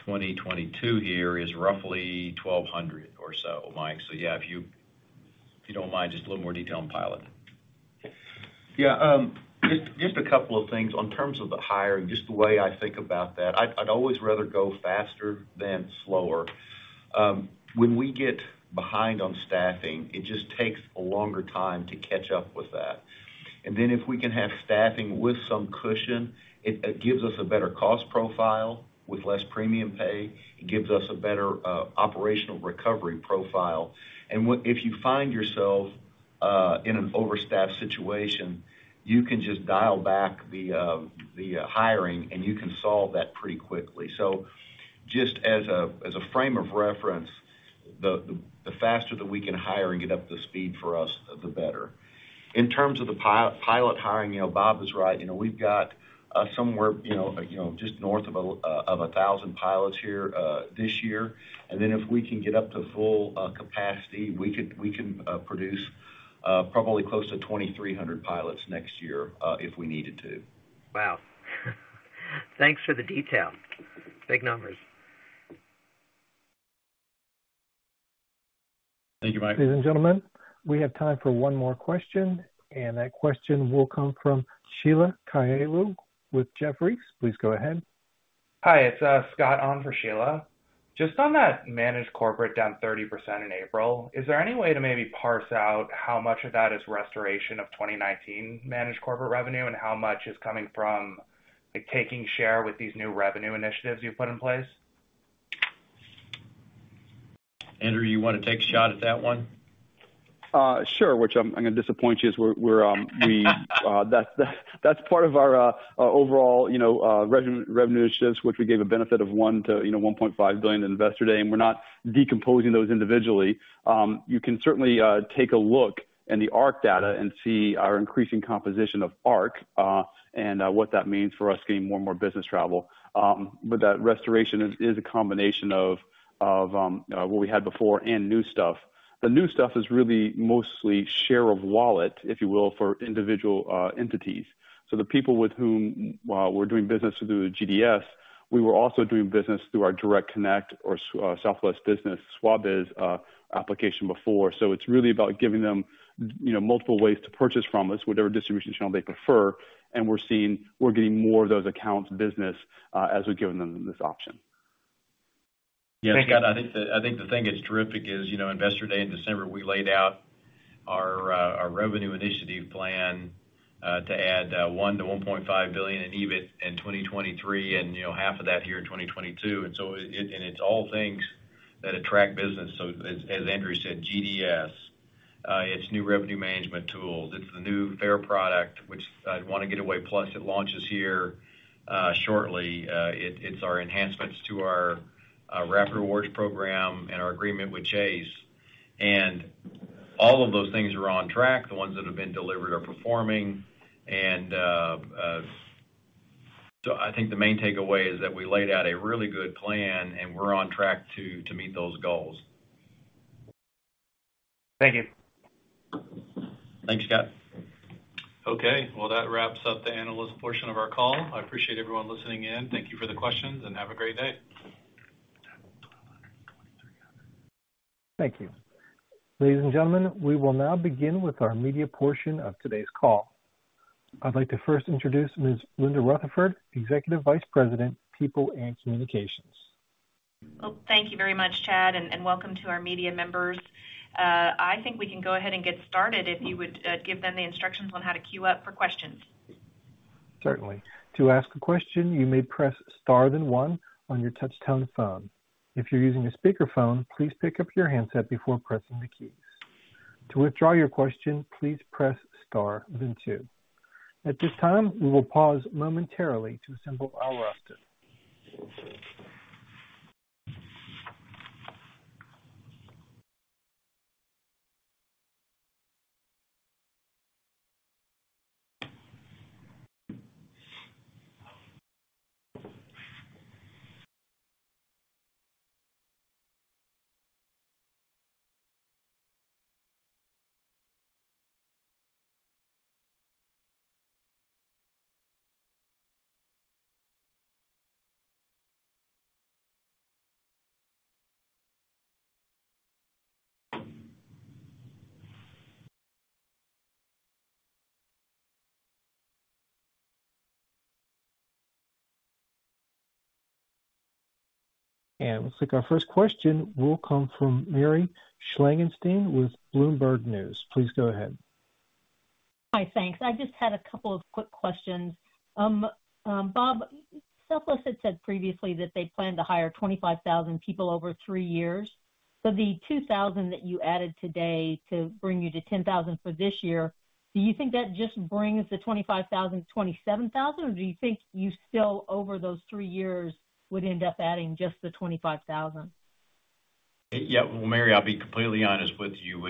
2022 here is roughly 1,200 or so, Mike. Yeah, if you don't mind, just a little more detail on pilot. Yeah. Just a couple of things in terms of the hiring, just the way I think about that. I'd always rather go faster than slower. When we get behind on staffing, it just takes a longer time to catch up with that. If we can have staffing with some cushion, it gives us a better cost profile with less premium pay. It gives us a better operational recovery profile. If you find yourself in an overstaffed situation, you can just dial back the hiring and you can solve that pretty quickly. Just as a frame of reference, the faster that we can hire and get up to speed for us, the better. In terms of the pilot hiring, you know, Bob is right. You know, we've got somewhere, you know, just north of a 1,000 pilots here this year. If we can get up to full capacity, we can produce probably close to 2,300 pilots next year if we needed to. Wow. Thanks for the detail. Big numbers. Thank you, Mike. Ladies and gentlemen, we have time for one more question, and that question will come from Sheila Kahyaoglu with Jefferies. Please go ahead. Hi, it's Scott on for Sheila. Just on that managed corporate down 30% in April, is there any way to maybe parse out how much of that is restoration of 2019 managed corporate revenue and how much is coming from, like, taking share with these new revenue initiatives you've put in place? Andrew, you wanna take a shot at that one? Sure. That's part of our overall, you know, revenue initiatives, which we gave a benefit of $1-$1.5 billion to Investor Day, and we're not decomposing those individually. You can certainly take a look in the ARC data and see our increasing composition of ARC and what that means for us getting more and more business travel. That restoration is a combination of what we had before and new stuff. The new stuff is really mostly share of wallet, if you will, for individual entities. The people with whom we're doing business through GDS, we were also doing business through our direct connect or Southwest Business, SWABIZ application before. It's really about giving them, you know, multiple ways to purchase from us, whatever distribution channel they prefer. We're seeing we're getting more of those accounts business as we've given them this option. Yeah, Scott, I think the thing that's terrific is, you know, Investor Day in December, we laid out our revenue initiative plan to add $1-$1.5 billion in EBIT in 2023 and, you know, half of that here in 2022. It's all things that attract business. So as Andrew said, GDS, it's new revenue management tools. It's the new fare product, which is Wanna Get Away Plus, it launches here shortly. It's our enhancements to our Rapid Rewards program and our agreement with Chase. And all of those things are on track. The ones that have been delivered are performing. So I think the main takeaway is that we laid out a really good plan, and we're on track to meet those goals. Thank you. Thanks, Scott. Okay. Well, that wraps up the analyst portion of our call. I appreciate everyone listening in. Thank you for the questions, and have a great day. Thank you. Ladies and gentlemen, we will now begin with our media portion of today's call. I'd like to first introduce Ms. Linda Rutherford, Executive Vice President, People and Communications. Well, thank you very much, Chad, and welcome to our media members. I think we can go ahead and get started if you would give them the instructions on how to queue up for questions. Certainly. To ask a question, you may press star then one on your touchtone phone. If you're using a speakerphone, please pick up your handset before pressing the keys. To withdraw your question, please press star then two. At this time, we will pause momentarily to assemble our roster. Looks like our first question will come from Mary Schlangenstein with Bloomberg News. Please go ahead. Hi. Thanks. I just had a couple of quick questions. Bob, Southwest had said previously that they planned to hire 25,000 people over three years. The 2,000 that you added today to bring you to 10,000 for this year, do you think that just brings the 25,000 to 27,000, or do you think you still, over those three years, would end up adding just the 25,000? Well, Mary, I'll be completely honest with you.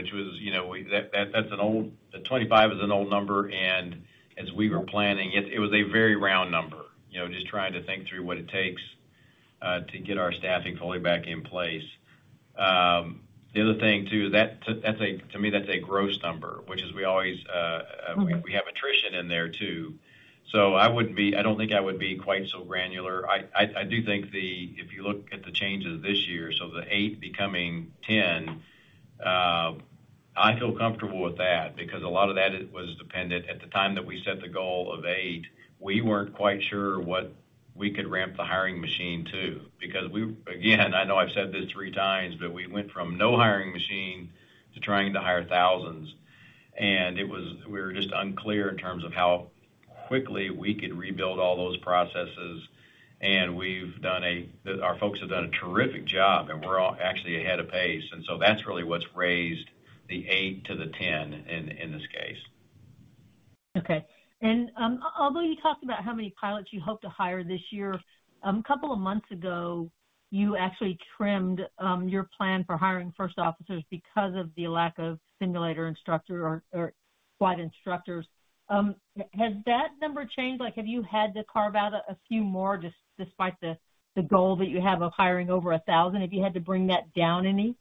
That's an old number. The 25 is an old number, and as we were planning it was a very round number. You know, just trying to think through what it takes to get our staffing fully back in place. The other thing, too, that's a gross number to me, which is we always Okay. We have attrition in there, too. I don't think I would be quite so granular. I do think if you look at the changes this year, the 8 becoming 10, I feel comfortable with that because a lot of that was dependent at the time that we set the goal of 8. We weren't quite sure what we could ramp the hiring machine to. Because again, I know I've said this three times, but we went from no hiring machine to trying to hire thousands. We were just unclear in terms of how quickly we could rebuild all those processes. Our folks have done a terrific job, and we're all actually ahead of pace. That's really what's raised the 8 to the 10 in this case. Okay. Although you talked about how many pilots you hope to hire this year, a couple of months ago, you actually trimmed your plan for hiring first officers because of the lack of simulator instructor or flight instructors. Has that number changed? Like, have you had to cut back a few more despite the goal that you have of hiring over 1,000? Have you had to bring that down any?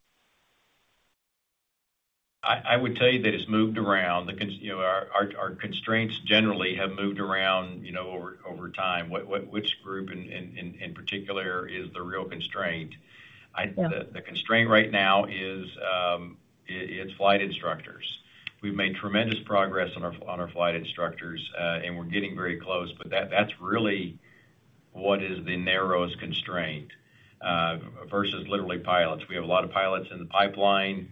I would tell you that it's moved around. You know, our constraints generally have moved around, you know, over time. Which group in particular is the real constraint. Yeah. The constraint right now is it's flight instructors. We've made tremendous progress on our flight instructors, and we're getting very close. That's really what is the narrowest constraint versus literally pilots. We have a lot of pilots in the pipeline,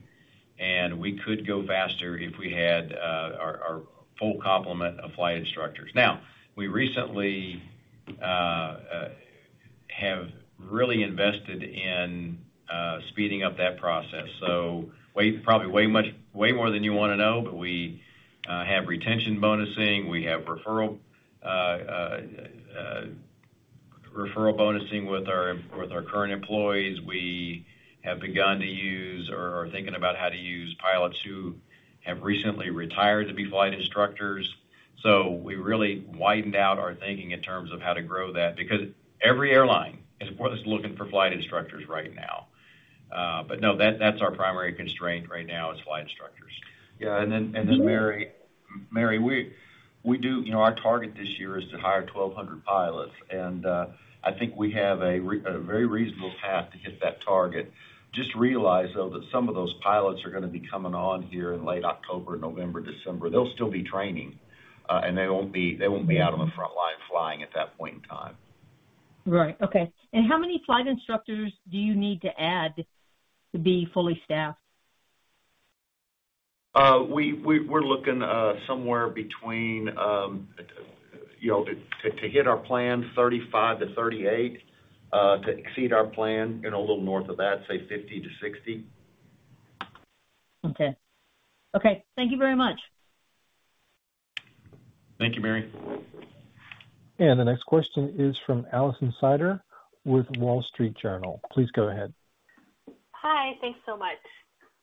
and we could go faster if we had our full complement of flight instructors. Now, we recently have really invested in speeding up that process. Way more than you wanna know, but we have retention bonusing, we have referral bonusing with our current employees. We have begun to use or are thinking about how to use pilots who have recently retired to be flight instructors. We really widened out our thinking in terms of how to grow that, because every airline is looking for flight instructors right now. But no, that's our primary constraint right now, is flight instructors. Yeah. Mary, you know, our target this year is to hire 1,200 pilots, and I think we have a very reasonable path to hit that target. Just realize, though, that some of those pilots are gonna be coming on here in late October, November, December. They'll still be training, and they won't be out on the front line flying at that point in time. Right. Okay. How many flight instructors do you need to add to be fully staffed? We're looking somewhere between, you know, to hit our plan, 35-38, to exceed our plan, you know, a little north of that, say 50-60. Okay. Okay. Thank you very much. Thank you, Mary. The next question is from Alison Sider with The Wall Street Journal. Please go ahead. Hi. Thanks so much.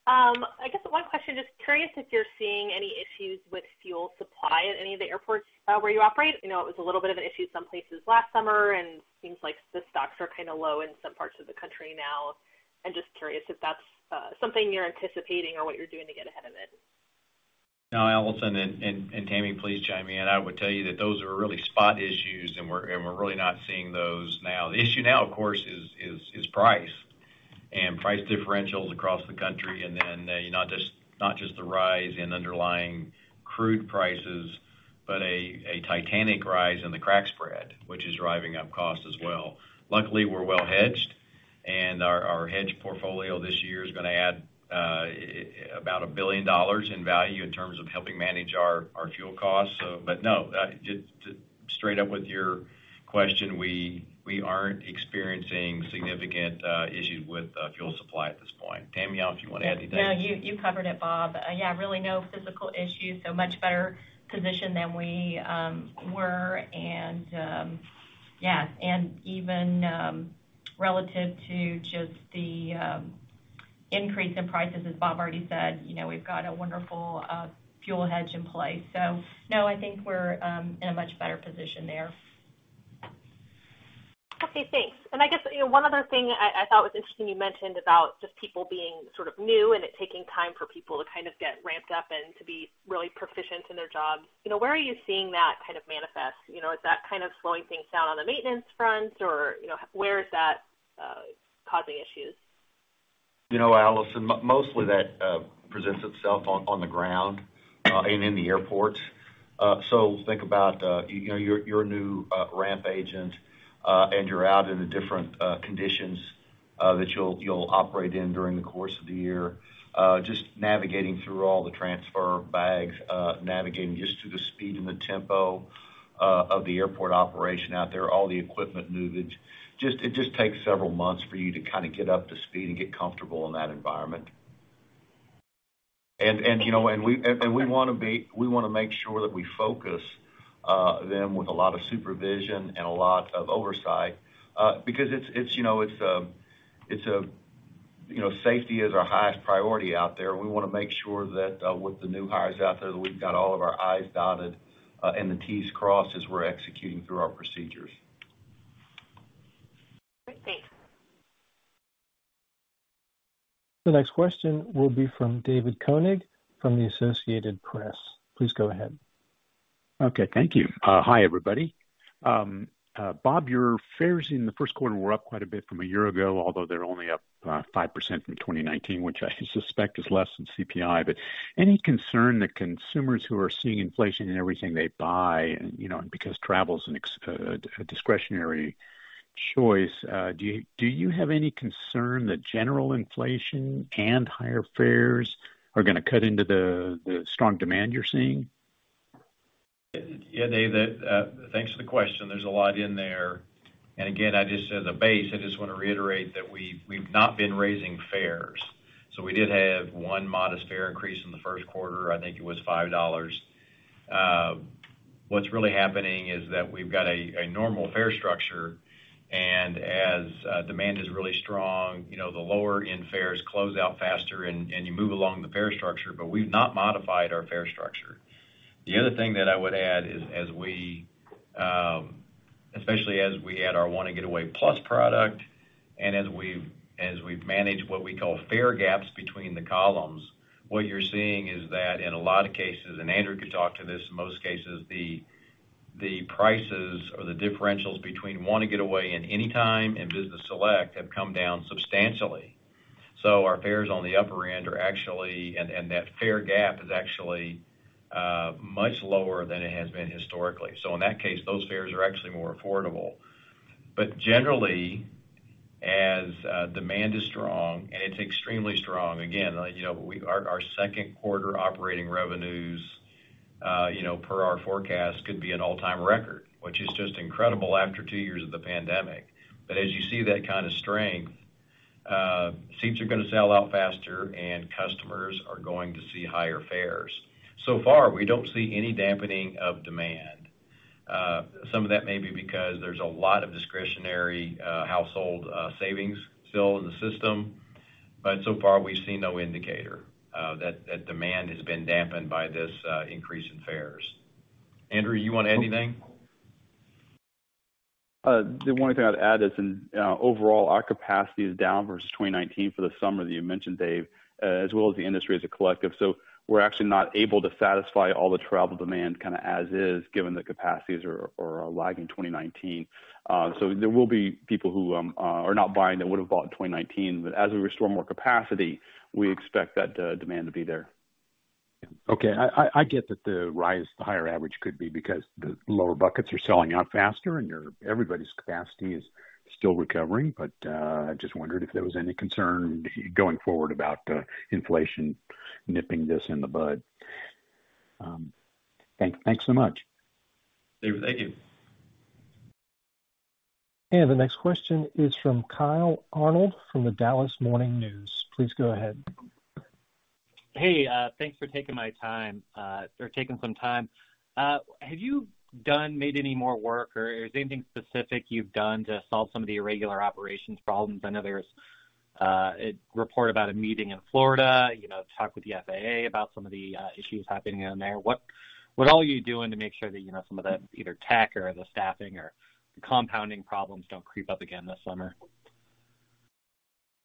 I guess one question, just curious if you're seeing any issues with fuel supply at any of the airports, where you operate. I know it was a little bit of an issue some places last summer, and seems like the stocks are kind of low in some parts of the country now. I'm just curious if that's, something you're anticipating or what you're doing to get ahead of it. No, Alison and Tammy, please chime in. I would tell you that those are really spot issues, and we're really not seeing those now. The issue now, of course, is price and price differentials across the country. Then, not just the rise in underlying crude prices, but a titanic rise in the crack spread, which is driving up costs as well. Luckily, we're well hedged and our hedge portfolio this year is gonna add about $1 billion in value in terms of helping manage our fuel costs. But no, just to straight up with your question, we aren't experiencing significant issues with fuel supply at this point. Tammy, if you wanna add anything. No, you covered it, Bob. Yeah, really, no physical issues, so much better position than we were. Yeah. Even relative to just the increase in prices, as Bob already said, you know, we've got a wonderful fuel hedge in place, so no, I think we're in a much better position there. Okay, thanks. I guess, you know, one other thing I thought was interesting, you mentioned about just people being sort of new and it taking time for people to kind of get ramped up and to be really proficient in their jobs. You know, where are you seeing that kind of manifest? You know, is that kind of slowing things down on the maintenance front or, you know, where is that causing issues? You know, Alison, mostly that presents itself on the ground and in the airports. Think about you know you're new ramp agent and you're out in the different conditions that you'll operate in during the course of the year. Just navigating through all the transfer bags, navigating just through the speed and the tempo of the airport operation out there, all the equipment movement. It just takes several months for you to kind of get up to speed and get comfortable in that environment. You know, we wanna make sure that we focus them with a lot of supervision and a lot of oversight, because it's, you know, it's a, you know, safety is our highest priority out there, and we wanna make sure that with the new hires out there, that we've got all of our i's dotted and the t's crossed as we're executing through our procedures. Great. Thanks. The next question will be from David Koenig from the Associated Press. Please go ahead. Okay. Thank you. Hi, everybody. Bob, your fares in the first quarter were up quite a bit from a year ago, although they're only up 5% from 2019, which I suspect is less than CPI. Any concern that consumers who are seeing inflation in everything they buy and, you know, and because travel is a discretionary choice, do you have any concern that general inflation and higher fares are gonna cut into the strong demand you're seeing? Yeah, David, thanks for the question. There's a lot in there. Again, as a base, I just want to reiterate that we've not been raising fares. We did have one modest fare increase in the first quarter. I think it was $5. What's really happening is that we've got a normal fare structure, and as demand is really strong, you know, the lower-end fares close out faster and you move along the fare structure. We've not modified our fare structure. The other thing that I would add is as we especially as we add our Wanna Get Away Plus product and as we've managed what we call fare gaps between the columns, what you're seeing is that in a lot of cases, and Andrew could talk to this, in most cases, the prices or the differentials between Wanna Get Away and Anytime and Business Select have come down substantially. Our fares on the upper end are actually, and that fare gap is actually much lower than it has been historically. In that case, those fares are actually more affordable. Generally, as demand is strong, and it's extremely strong, again, you know, our second quarter operating revenues, you know, per our forecast could be an all-time record, which is just incredible after two years of the pandemic. As you see that kind of strength, seats are gonna sell out faster and customers are going to see higher fares. So far, we don't see any dampening of demand. Some of that may be because there's a lot of discretionary, household, savings still in the system, but so far, we've seen no indicator that demand has been dampened by this increase in fares. Andrew, you want to add anything? The only thing I'd add is in overall, our capacity is down versus 2019 for the summer that you mentioned, David, as well as the industry as a collective. We're actually not able to satisfy all the travel demand kind of as is, given the capacities are lagging 2019. There will be people who are not buying that would have bought in 2019. As we restore more capacity, we expect that demand to be there. Okay. I get that the rise, the higher average could be because the lower buckets are selling out faster and everybody's capacity is still recovering. I just wondered if there was any concern going forward about inflation nipping this in the bud. Thanks so much. Thank you. The next question is from Kyle Arnold from The Dallas Morning News. Please go ahead. Hey, thanks for taking my time, or taking some time. Have you made any more work or is there anything specific you've done to solve some of the irregular operations problems? I know there's a report about a meeting in Florida, you know, to talk with the FAA about some of the issues happening down there. What all are you doing to make sure that, you know, some of the either tech or the staffing or the compounding problems don't creep up again this summer?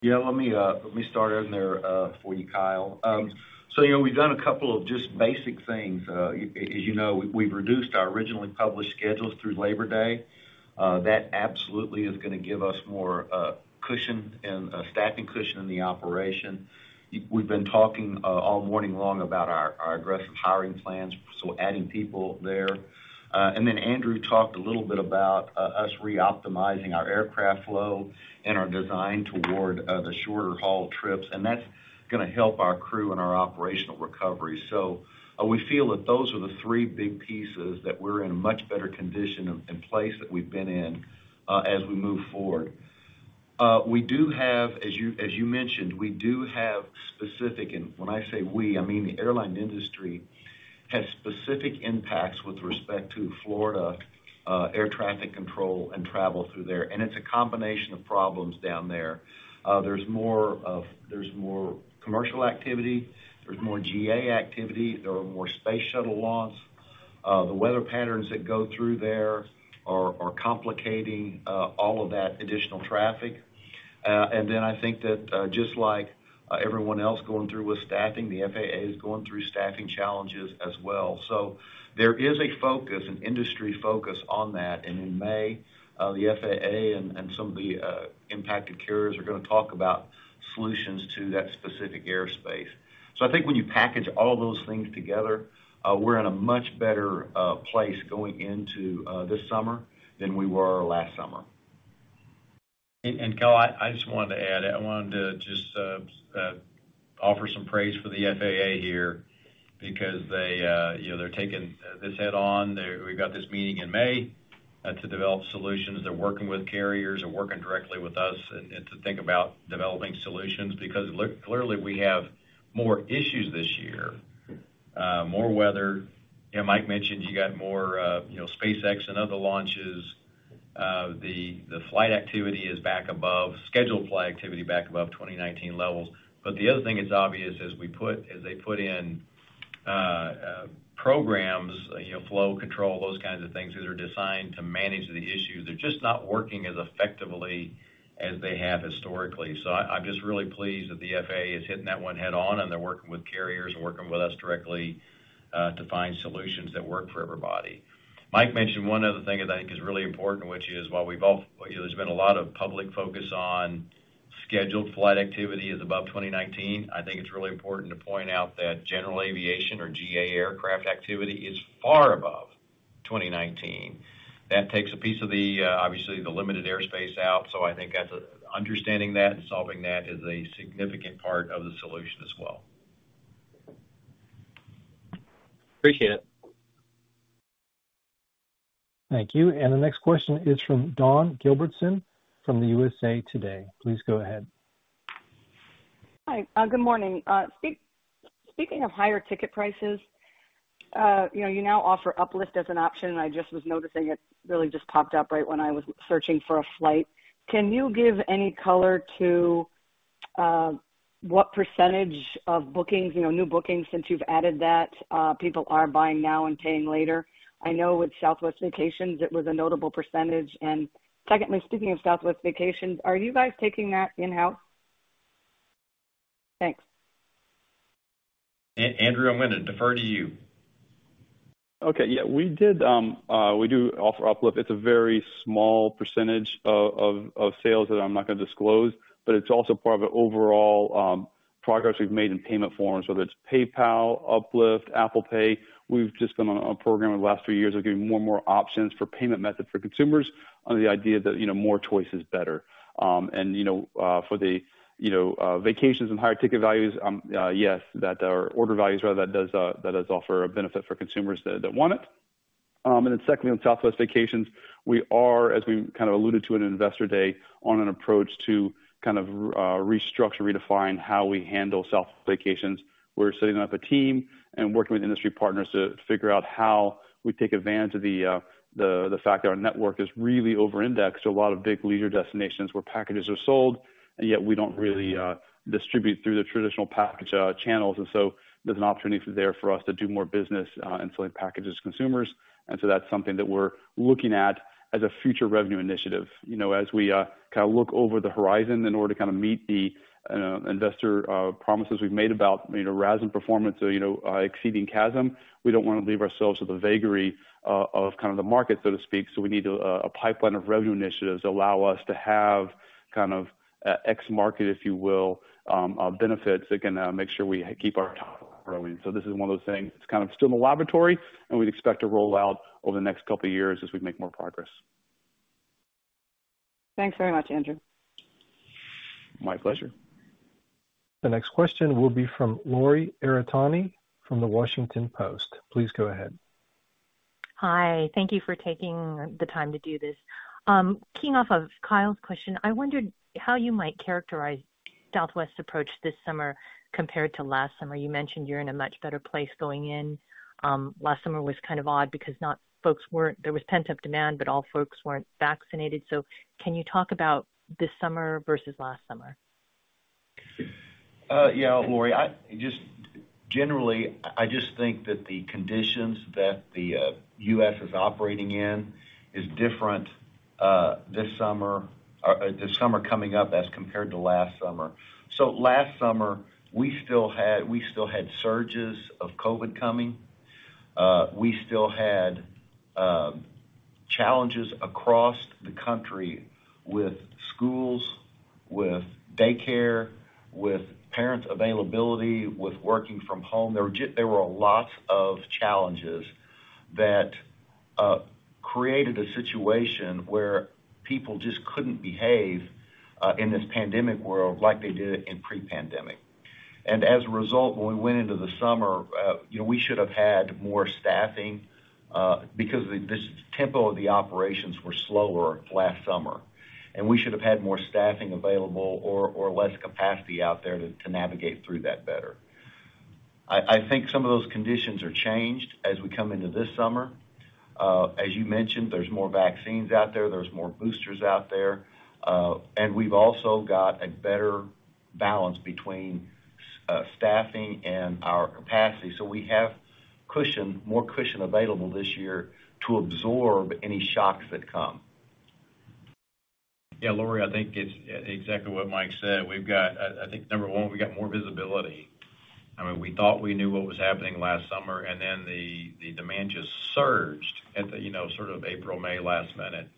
Let me start in there for you, Kyle. You know, we've done a couple of just basic things. As you know, we've reduced our originally published schedules through Labor Day. That absolutely is gonna give us more cushion and a staffing cushion in the operation. We've been talking all morning long about our aggressive hiring plans, so adding people there. Then Andrew talked a little bit about us reoptimizing our aircraft flow and our design toward the shorter haul trips, and that's gonna help our crew and our operational recovery. We feel that those are the three big pieces that we're in a much better condition and place that we've been in as we move forward. We do have, as you mentioned, specific and when I say we, I mean, the airline industry has specific impacts with respect to Florida, air traffic control and travel through there. It's a combination of problems down there. There's more commercial activity, there's more GA activity. There are more space shuttle launch. The weather patterns that go through there are complicating all of that additional traffic. I think that just like everyone else going through with staffing, the FAA is going through staffing challenges as well. There is a focus, an industry focus on that. In May, the FAA and some of the impacted carriers are gonna talk about solutions to that specific airspace. I think when you package all those things together, we're in a much better place going into this summer than we were last summer. Kyle, I just wanted to add. I wanted to just offer some praise for the FAA here because they, you know, they're taking this head on. We've got this meeting in May to develop solutions. They're working with carriers. They're working directly with us and to think about developing solutions, because clearly we have more issues this year, more weather. You know, Mike mentioned you got more, you know, SpaceX and other launches. The scheduled flight activity is back above 2019 levels. The other thing that's obvious as they put in programs, you know, flow control, those kinds of things that are designed to manage the issues, they're just not working as effectively as they have historically. I'm just really pleased that the FAA is hitting that one head on, and they're working with carriers and working with us directly, to find solutions that work for everybody. Mike mentioned one other thing that I think is really important, which is, there's been a lot of public focus on scheduled flight activity is above 2019. I think it's really important to point out that general aviation or GA aircraft activity is far above 2019. That takes a piece of the obviously the limited airspace out. I think understanding that and solving that is a significant part of the solution as well. Appreciate it. Thank you. The next question is from Dawn Gilbertson from USA Today. Please go ahead. Hi. Good morning. Speaking of higher ticket prices, you know, you now offer Uplift as an option, and I just was noticing it really just popped up right when I was searching for a flight. Can you give any color to what percentage of bookings, you know, new bookings since you've added that, people are buying now and paying later? I know with Southwest Vacations it was a notable percentage. Secondly, speaking of Southwest Vacations, are you guys taking that in-house? Thanks. Andrew, I'm gonna defer to you. Okay, yeah. We do offer Uplift. It's a very small percentage of sales that I'm not gonna disclose, but it's also part of an overall progress we've made in payment forms, whether it's PayPal, Uplift, Apple Pay. We've just been on a program over the last few years of giving more and more options for payment method for consumers on the idea that, you know, more choice is better. You know, for the vacations and higher ticket values, yes, that does offer a benefit for consumers that want it. Then secondly, on Southwest Vacations, we are, as we kind of alluded to in Investor Day, on an approach to kind of restructure, redefine how we handle Southwest Vacations. We're setting up a team and working with industry partners to figure out how we take advantage of the fact that our network is really over indexed to a lot of big leisure destinations where packages are sold, and yet we don't really distribute through the traditional package channels. There's an opportunity there for us to do more business and sell packages to consumers. That's something that we're looking at as a future revenue initiative. You know, as we kind of look over the horizon in order to kind of meet the investor promises we've made about, you know, RASM performance or, you know, exceeding CASM, we don't want to leave ourselves to the vagary of kind of the market, so to speak. We need a pipeline of revenue initiatives that allow us to have kind of ex-market, if you will, benefits that can make sure we keep our top-line growing. This is one of those things. It's kind of still in the laboratory, and we'd expect to roll out over the next couple of years as we make more progress. Thanks very much, Andrew. My pleasure. The next question will be from Lori Aratani from The Washington Post. Please go ahead. Hi. Thank you for taking the time to do this. Keying off of Kyle's question, I wondered how you might characterize Southwest's approach this summer compared to last summer. You mentioned you're in a much better place going in. Last summer was kind of odd because there was pent-up demand, but all folks weren't vaccinated. Can you talk about this summer versus last summer? Yeah, Lori, I just. Generally, I just think that the conditions that the U.S. is operating in is different this summer or the summer coming up as compared to last summer. Last summer, we still had surges of COVID coming. We still had challenges across the country with schools, with daycare, with parents' availability, with working from home. There were lots of challenges that created a situation where people just couldn't behave in this pandemic world like they did in pre-pandemic. As a result, when we went into the summer, you know, we should have had more staffing because the tempo of the operations were slower last summer. We should have had more staffing available or less capacity out there to navigate through that better. I think some of those conditions are changed as we come into this summer. As you mentioned, there's more vaccines out there's more boosters out there, and we've also got a better balance between staffing and our capacity. We have cushion, more cushion available this year to absorb any shocks that come. Yeah, Lori, I think it's exactly what Mike said. We've got, I think number one, we got more visibility. I mean, we thought we knew what was happening last summer, and then the demand just surged at the, you know, sort of April, May last minute.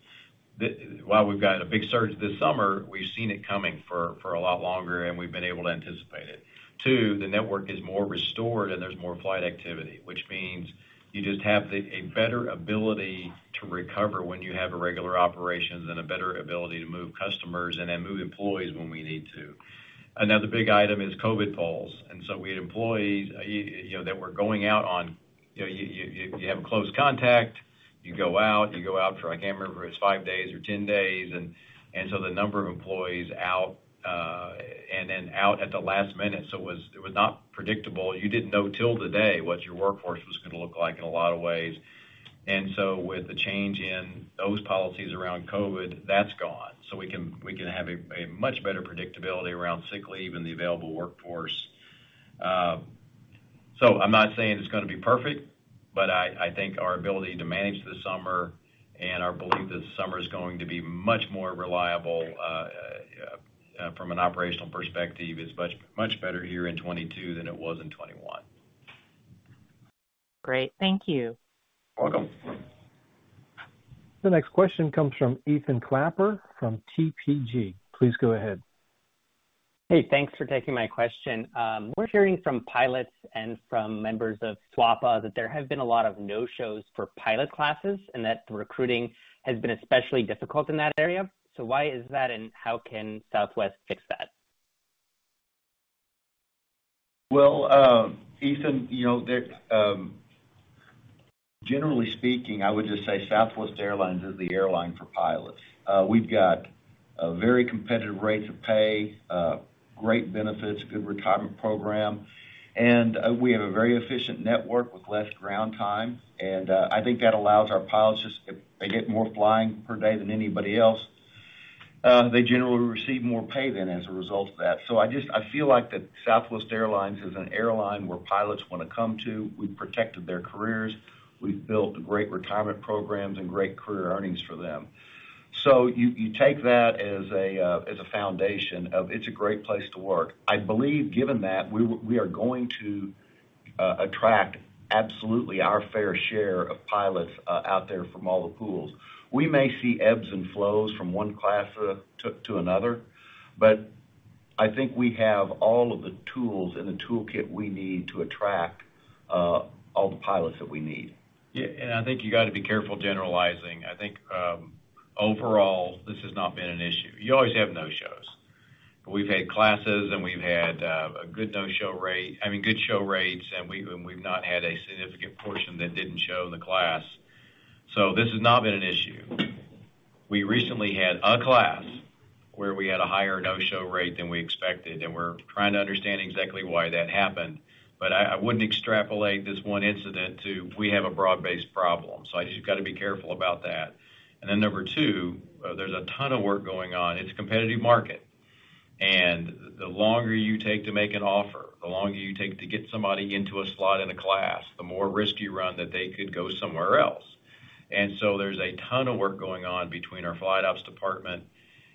While we've got a big surge this summer, we've seen it coming for a lot longer, and we've been able to anticipate it. Two, the network is more restored, and there's more flight activity, which means you just have a better ability to recover when you have a regular operation than a better ability to move customers and then move employees when we need to. Another big item is COVID protocols. We had employees, you know, that were going out on, you know, you have a close contact, you go out for, I can't remember if it's five days or 10 days. The number of employees out, and then out at the last minute, so it was not predictable. You didn't know till the day what your workforce was gonna look like in a lot of ways. With the change in those policies around COVID, that's gone. We can have a much better predictability around sick leave and the available workforce. I'm not saying it's gonna be perfect, but I think our ability to manage this summer and our belief that summer is going to be much more reliable from an operational perspective. It's much, much better here in 2022 than it was in 2021. Great. Thank you. Welcome. The next question comes from Ethan Klapper from TPG. Please go ahead. Hey, thanks for taking my question. We're hearing from pilots and from members of SWAPA that there have been a lot of no-shows for pilot classes, and that the recruiting has been especially difficult in that area. Why is that, and how can Southwest fix that? Well, Ethan, you know, there, generally speaking, I would just say Southwest Airlines is the airline for pilots. We've got very competitive rates of pay, great benefits, good retirement program, and we have a very efficient network with less ground time. I think that allows our pilots just they get more flying per day than anybody else. They generally receive more pay than as a result of that. I feel like that Southwest Airlines is an airline where pilots wanna come to. We've protected their careers. We've built great retirement programs and great career earnings for them. You take that as a foundation of it's a great place to work. I believe given that, we are going to attract absolutely our fair share of pilots out there from all the pools. We may see ebbs and flows from one class to another, but I think we have all of the tools in the toolkit we need to attract all the pilots that we need. Yeah. I think you got to be careful generalizing. I think overall, this has not been an issue. You always have no-shows. We've had classes, and we've had a good no-show rate, I mean, good show rates, and we've not had a significant portion that didn't show in the class. This has not been an issue. We recently had a class where we had a higher no-show rate than we expected, and we're trying to understand exactly why that happened. I wouldn't extrapolate this one incident to we have a broad-based problem. I just got to be careful about that. Then number two, there's a ton of work going on. It's a competitive market. The longer you take to make an offer, the longer you take to get somebody into a slot in a class, the more risk you run that they could go somewhere else. There's a ton of work going on between our flight ops department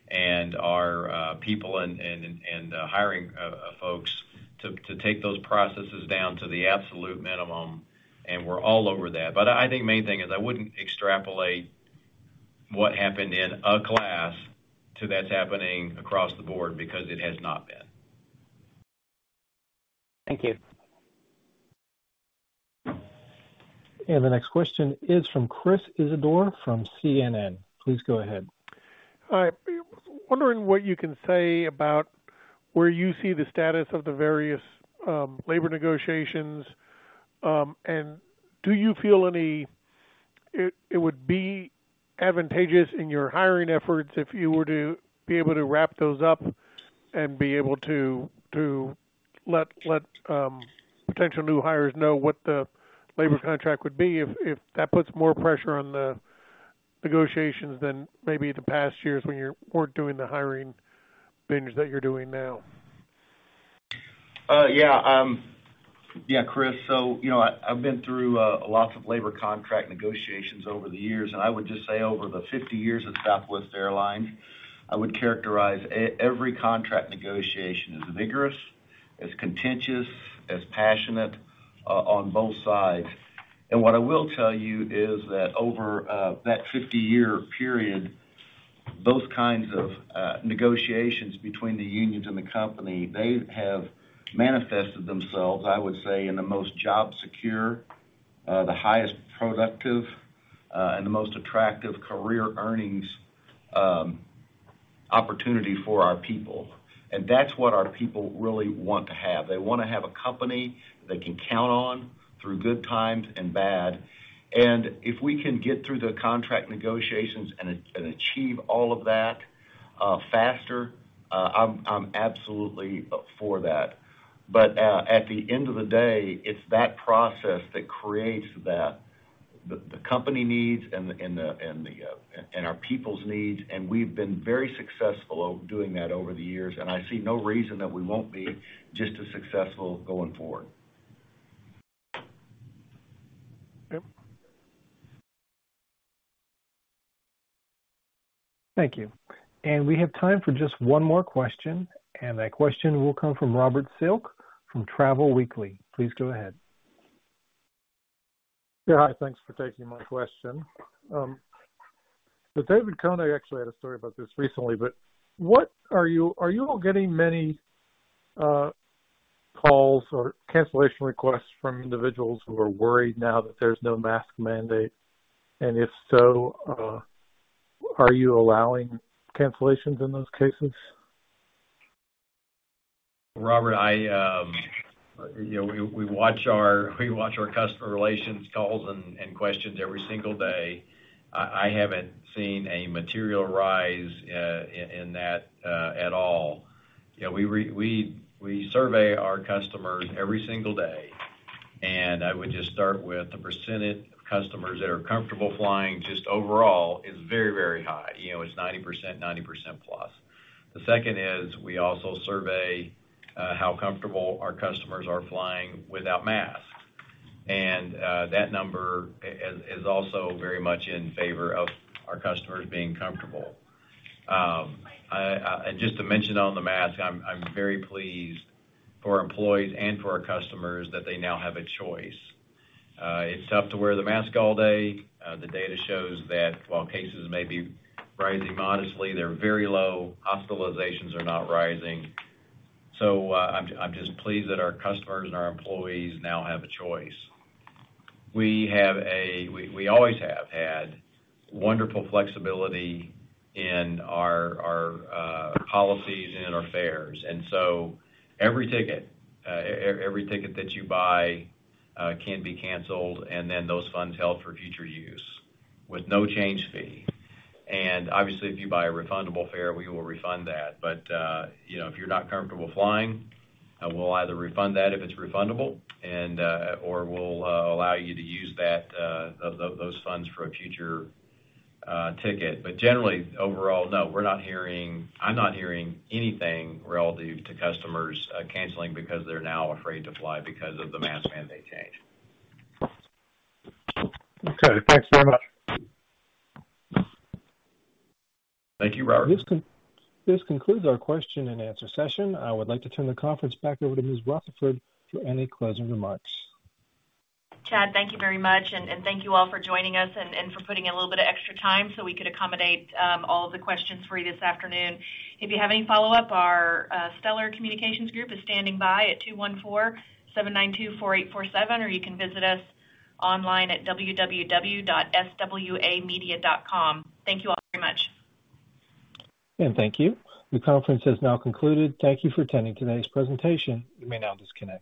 and our people and hiring folks to take those processes down to the absolute minimum, and we're all over that. I think main thing is I wouldn't extrapolate what happened in a class to that's happening across the board because it has not been. Thank you. The next question is from Chris Isidore from CNN. Please go ahead. Hi. Wondering what you can say about where you see the status of the various labor negotiations, and do you feel it would be advantageous in your hiring efforts if you were to be able to wrap those up and be able to let potential new hires know what the labor contract would be if that puts more pressure on the negotiations than maybe the past years when you weren't doing the hiring binge that you're doing now. Yeah. Yeah, Chris, so, you know, I've been through lots of labor contract negotiations over the years, and I would just say over the 50 years of Southwest Airlines, I would characterize every contract negotiation as vigorous, as contagious, as passionate on both sides. What I will tell you is that over that 50-year period, those kinds of negotiations between the unions and the company, they have manifested themselves, I would say, in the most job secure, the highest productive, and the most attractive career earnings opportunity for our people. That's what our people really want to have. They wanna have a company they can count on through good times and bad. If we can get through the contract negotiations and achieve all of that faster, I'm absolutely for that. At the end of the day, it's that process that creates that. The company needs and our people's needs, and we've been very successful doing that over the years, and I see no reason that we won't be just as successful going forward. Okay. Thank you. We have time for just one more question, and that question will come from Robert Silk from Travel Weekly. Please go ahead. Yeah. Hi, thanks for taking my question. So David Koenig actually had a story about this recently, but are you all getting many calls or cancellation requests from individuals who are worried now that there's no mask mandate? And if so, are you allowing cancellations in those cases? Robert, you know, we watch our customer relations calls and questions every single day. I haven't seen a material rise in that at all. You know, we survey our customers every single day, and I would just start with the percentage of customers that are comfortable flying just overall is very high. You know, it's 90%+. The second is we also survey how comfortable our customers are flying without masks. That number is also very much in favor of our customers being comfortable. Just to mention on the mask, I'm very pleased for our employees and for our customers that they now have a choice. It's tough to wear the mask all day. The data shows that while cases may be rising modestly, they're very low. Hospitalizations are not rising. I'm just pleased that our customers and our employees now have a choice. We always have had wonderful flexibility in our policies and in our fares. Every ticket that you buy can be canceled, and then those funds held for future use with no change fee. Obviously, if you buy a refundable fare, we will refund that. You know, if you're not comfortable flying, we'll either refund that if it's refundable and or we'll allow you to use that those funds for a future ticket. Generally, overall, no, I'm not hearing anything relative to customers canceling because they're now afraid to fly because of the mask mandate change. Okay. Thanks very much. Thank you, Robert. This concludes our question-and-answer session. I would like to turn the conference back over to Ms. Rutherford for any closing remarks. Chad, thank you very much, and thank you all for joining us and for putting in a little bit of extra time so we could accommodate all of the questions for you this afternoon. If you have any follow-up, our Stellar Communications group is standing by at 214-792-4847, or you can visit us online at www.swamedia.com. Thank you all very much. Thank you. The conference has now concluded. Thank you for attending today's presentation. You may now disconnect.